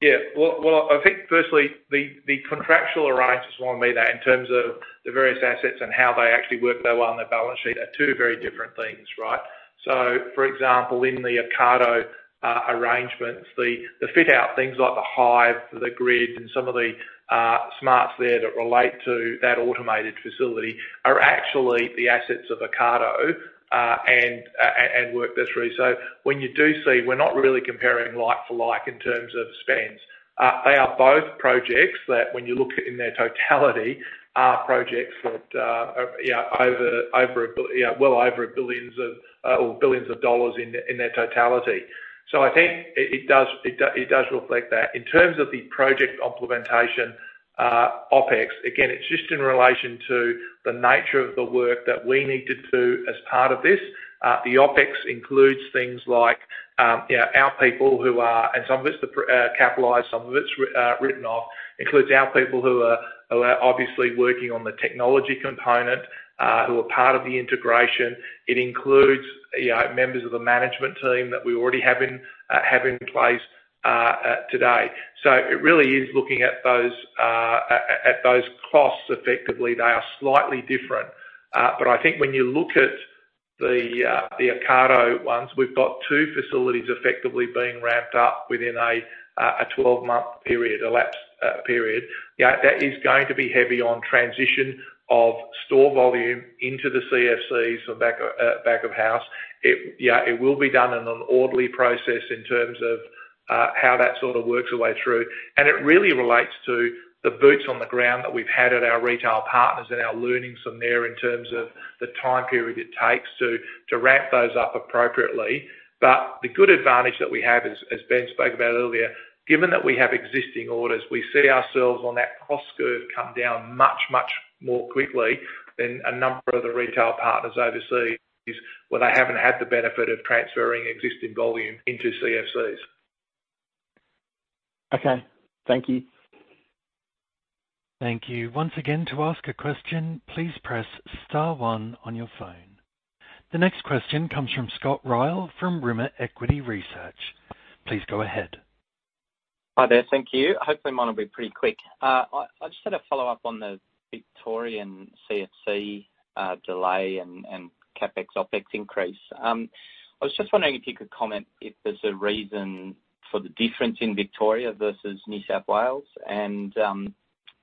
Yeah. Well, well, I think firstly, the contractual arrangements want to be there in terms of the various assets and how they actually work their way on the balance sheet are two very different things, right? For example, in the Ocado arrangements, the fit out, things like the hive, the grid, and some of the smarts there that relate to that automated facility are actually the assets of Ocado, and Work backstory. When you do see, we're not really comparing like-for-like in terms of spends. They are both projects that, when you look in their totality, are projects that, well over billions of dollars in their totality. I think it does reflect that. In terms of the project implementation, OpEx, again, it's just in relation to the nature of the work that we need to do as part of this. The OpEx includes things like, you know, our people who are-- and some of it's the capitalized, some of it's written off, includes our people who are, who are obviously working on the technology component, who are part of the integration. It includes, you know, members of the management team that we already have in, have in place, today. It really is looking at those, at, at those costs, effectively, they are slightly different. But I think when you look at the, the Ocado ones, we've got 2 facilities effectively being ramped up within a, a 12-month period, elapsed, period. That is going to be heavy on transition of store volume into the CFC, so back, back of house. It will be done in an orderly process in terms of how that sort of works our way through. It really relates to the boots on the ground that we've had at our retail partners and our learnings from there in terms of the time period it takes to, to ramp those up appropriately. The good advantage that we have as Ben spoke about earlier, given that we have existing orders, we see ourselves on that cost curve come down much, much more quickly than a number of the retail partners overseas, where they haven't had the benefit of transferring existing volume into CFCs. Okay, thank you. Thank you. Once again, to ask a question, please press star one on your phone. The next question comes from Shaun Cousins, from UBS. Please go ahead. Hi there. Thank you. Hopefully, mine will be pretty quick. I, I just had a follow-up on the Victorian CFC delay and CapEx, OpEx increase. I was just wondering if you could comment if there's a reason for the difference in Victoria versus New South Wales, and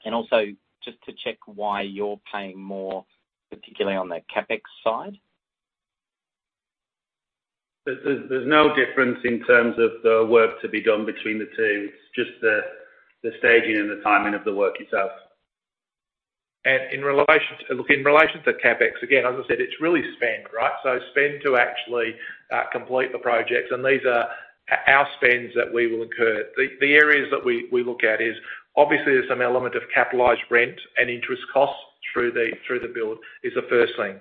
also just to check why you're paying more, particularly on the CapEx side. There's no difference in terms of the work to be done between the two. It's just the, the staging and the timing of the work itself. In relation to-- look, in relation to CapEx, again, as I said, it's really spend, right? Spend to actually complete the projects, and these are our spends that we will incur. The areas that we look at is, obviously, there's some element of capitalized rent and interest costs through the build, is the first thing.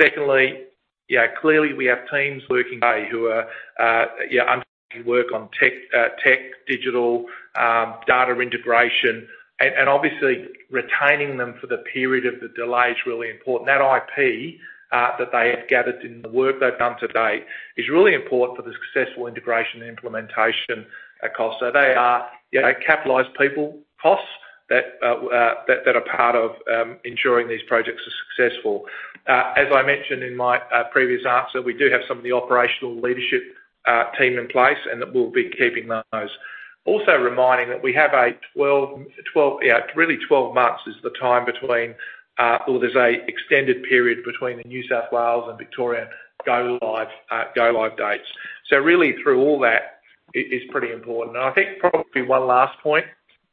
Secondly, yeah, clearly, we have teams working today who are, yeah, working work on tech, tech, digital, data integration, and obviously retaining them for the period of the delay is really important. That IP that they have gathered in the work they've done to date is really important for the successful integration and implementation cost. They are, you know, capitalized people costs that, that are part of ensuring these projects are successful. As I mentioned in my previous answer, we do have some of the operational leadership team in place, and that we'll be keeping those. Also reminding that we have a 12, 12, yeah, really, 12 months is the time between, or there's a extended period between the New South Wales and Victorian go-live, go-live dates. Really, through all that, it is pretty important. I think probably one last point.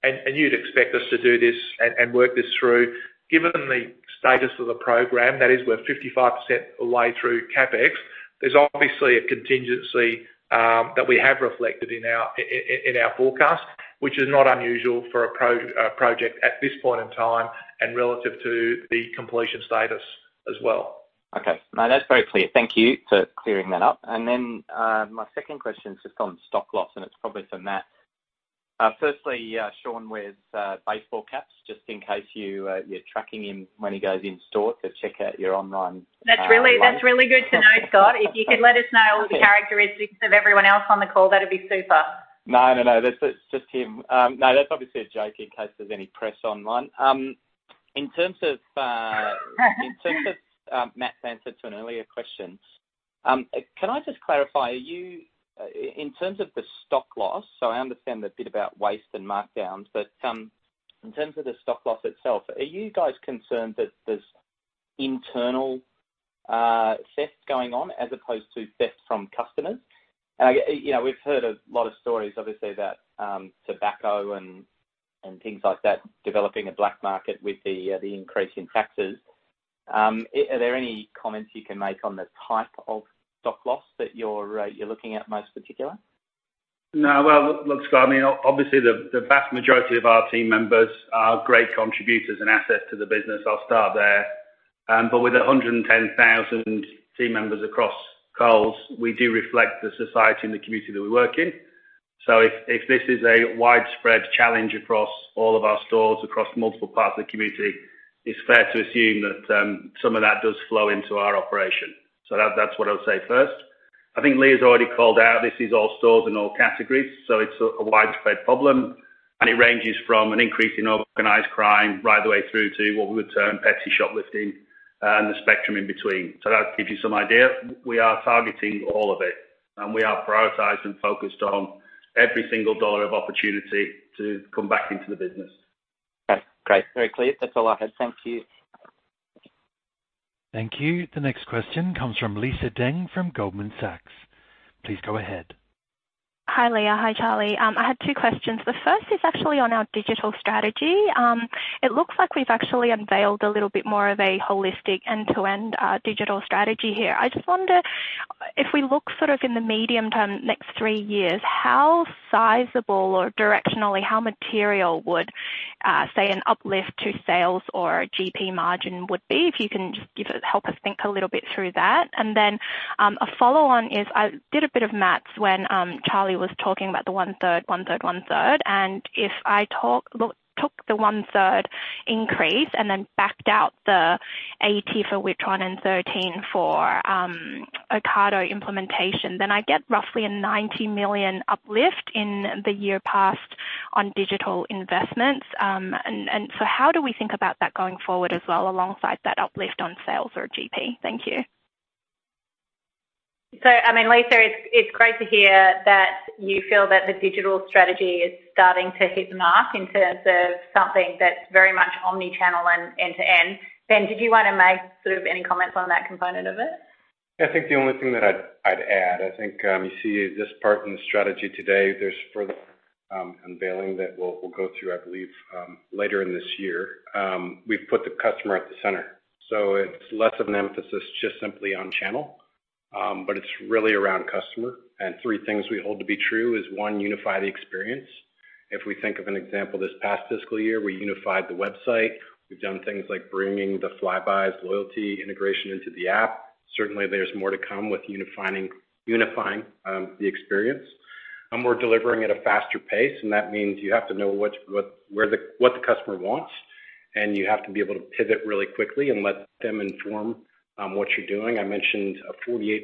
You'd expect us to do this and work this through. Given the status of the program, that is, we're 55% the way through CapEx, there's obviously a contingency that we have reflected in our forecast, which is not unusual for a project at this point in time and relative to the completion status as well. Okay, now that's very clear. Thank you for clearing that up. My second question is just on stock loss, and it's probably for Matt. Firstly, Shaun wears baseball caps, just in case you're tracking him when he goes in store, so check out your online. That's really, that's really good to know, Scott. If you could let us know the characteristics of everyone else on the call, that'd be super. No, no, no. That's just, just him. No, that's obviously a joke in case there's any press online. In terms of Matt's answer to an earlier question-... Can I just clarify, are you, in terms of the stock loss, so I understand the bit about waste and markdowns, but, in terms of the stock loss itself, are you guys concerned that there's internal theft going on as opposed to theft from customers? You know, we've heard a lot of stories, obviously, about tobacco and, and things like that, developing a black market with the increase in taxes. Are, are there any comments you can make on the type of stock loss that you're looking at most particular? No, well, look, Scott, I mean, obviously, the, the vast majority of our team members are great contributors and asset to the business. I'll start there. But with 110,000 team members across Coles, we do reflect the society and the community that we work in. If, if this is a widespread challenge across all of our stores, across multiple parts of the community, it's fair to assume that some of that does flow into our operation. That, that's what I would say first. I think Leah's already called out, this is all stores and all categories, so it's a, a widespread problem, and it ranges from an increase in organized crime right the way through to what we would term petty shoplifting and the spectrum in between. That gives you some idea. We are targeting all of it, and we are prioritized and focused on every single AUD of opportunity to come back into the business. Okay, great. Very clear. That's all I had. Thank you. Thank you. The next question comes from Lisa Deng, from Goldman Sachs. Please go ahead. Hi, Leah. Hi, Charlie. I had 2 questions. The first is actually on our digital strategy. It looks like we've actually unveiled a little bit more of a holistic end-to-end digital strategy here. I just wonder, if we look sort of in the medium term, next 3 years, how sizable or directionally, how material would say an uplift to sales or GP margin would be? If you can just help us think a little bit through that. A follow-on is, I did a bit of math when Charlie was talking about the one-third, one-third, one-third. If I took the one-third increase and then backed out the 80 for Witron and 13 for Ocado implementation, then I get roughly an 90 million uplift in the year past on digital investments. How do we think about that going forward as well, alongside that uplift on sales or GP? Thank you. I mean, Lisa, it's, it's great to hear that you feel that the digital strategy is starting to hit the mark in terms of something that's very much omni-channel and end-to-end. Ben, did you want to make sort of any comments on that component of it? I think the only thing that I'd, I'd add, I think, you see this part in the strategy today, there's further unveiling that we'll, we'll go through, I believe, later in this year. We've put the customer at the center, so it's less of an emphasis just simply on channel, but it's really around customer. Three things we hold to be true is, one, unify the experience. If we think of an example, this past fiscal year, we unified the website. We've done things like bringing the Flybuys loyalty integration into the app. Certainly, there's more to come with unifying, unifying the experience. We're delivering at a faster pace, and that means you have to know what the customer wants, and you have to be able to pivot really quickly and let them inform what you're doing. I mentioned a 48%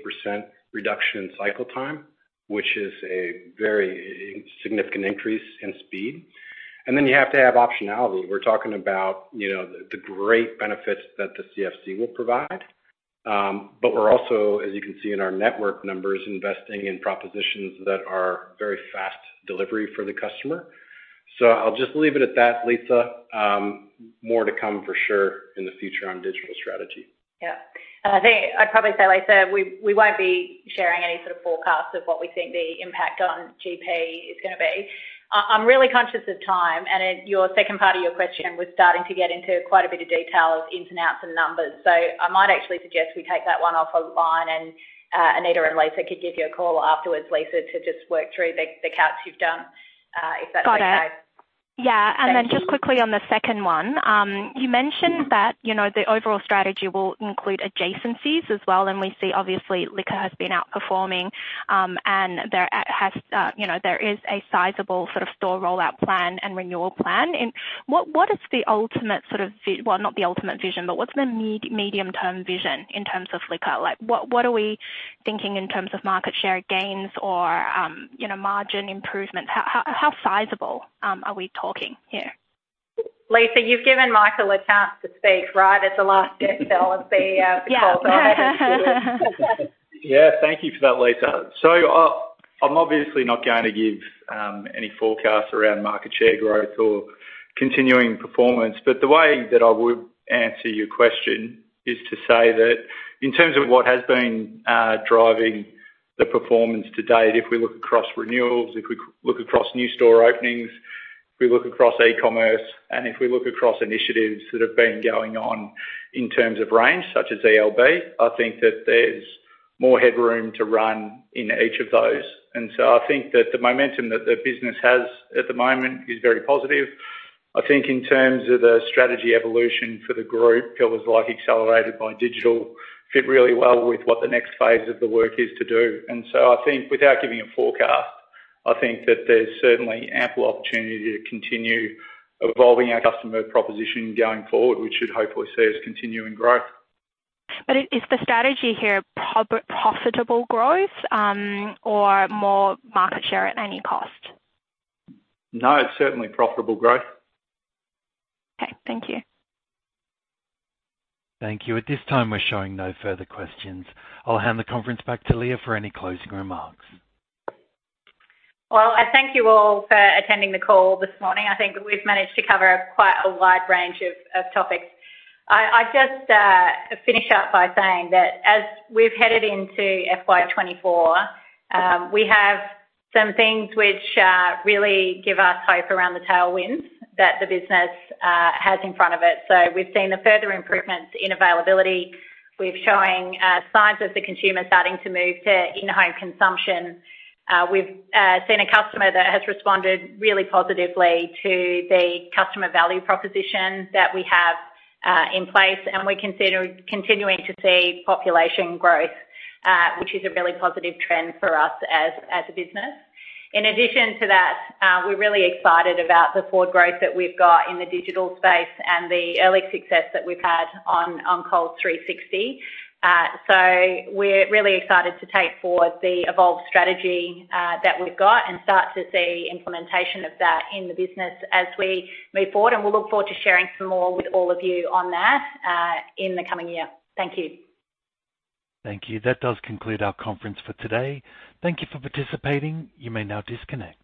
reduction in cycle time, which is a very significant increase in speed. You have to have optionality. We're talking about, you know, the, the great benefits that the CFC will provide. We're also, as you can see in our network numbers, investing in propositions that are very fast delivery for the customer. I'll just leave it at that, Lisa. More to come for sure in the future on digital strategy. Yeah. I think I'd probably say, Lisa, we, we won't be sharing any sort of forecast of what we think the impact on GP is gonna be. I'm really conscious of time, and your second part of your question was starting to get into quite a bit of detail of ins and outs and numbers. I might actually suggest we take that one offline, and Anita and Lisa could give you a call afterwards, Lisa, to just work through the, the calcs you've done, if that's okay. Got it. Yeah. Thank you. Then just quickly on the 2nd one, you mentioned that, you know, the overall strategy will include adjacencies as well, and we see obviously, Liquor has been outperforming, and there at, has, you know, there is a sizable sort of store rollout plan and renewal plan. What, what is the ultimate sort of well, not the ultimate vision, but what's the medium-term vision in terms of Liquor? Like, what, what are we thinking in terms of market share gains or, you know, margin improvements? How, how, how sizable are we talking here? Lisa, you've given Michael a chance to speak right at the last detail and see, Yeah. before I had to do it. Yeah, thank you for that, Lisa. I'm obviously not going to give any forecast around market share growth or continuing performance, but the way that I would answer your question is to say that in terms of what has been driving the performance to date, if we look across renewals, if we look across new store openings, if we look across e-commerce, and if we look across initiatives that have been going on in terms of range, such as ELB, I think that there's more headroom to run in each of those. I think that the momentum that the business has at the moment is very positive. I think in terms of the strategy evolution for the group, it was like accelerated by digital, fit really well with what the next phase of the work is to do. I think without giving a forecast, I think that there's certainly ample opportunity to continue evolving our customer proposition going forward, which should hopefully see us continuing growth. Is the strategy here profitable growth, or more market share at any cost? No, it's certainly profitable growth. Okay, thank you. Thank you. At this time, we're showing no further questions. I'll hand the conference back to Leah for any closing remarks. I thank you all for attending the call this morning. I think we've managed to cover quite a wide range of, of topics. I, I just finish up by saying that as we've headed into FY 2024, we have some things which really give us hope around the tailwinds that the business has in front of it. We've seen the further improvements in availability. We're showing signs of the consumer starting to move to in-home consumption. We've seen a customer that has responded really positively to the customer value proposition that we have in place, and we're continuing to see population growth, which is a really positive trend for us as, as a business. In addition to that, we're really excited about the forward growth that we've got in the digital space and the early success that we've had on, on Coles 360. We're really excited to take forward the Evolve strategy that we've got and start to see implementation of that in the business as we move forward, and we'll look forward to sharing some more with all of you on that in the coming year. Thank you. Thank you. That does conclude our conference for today. Thank you for participating. You may now disconnect.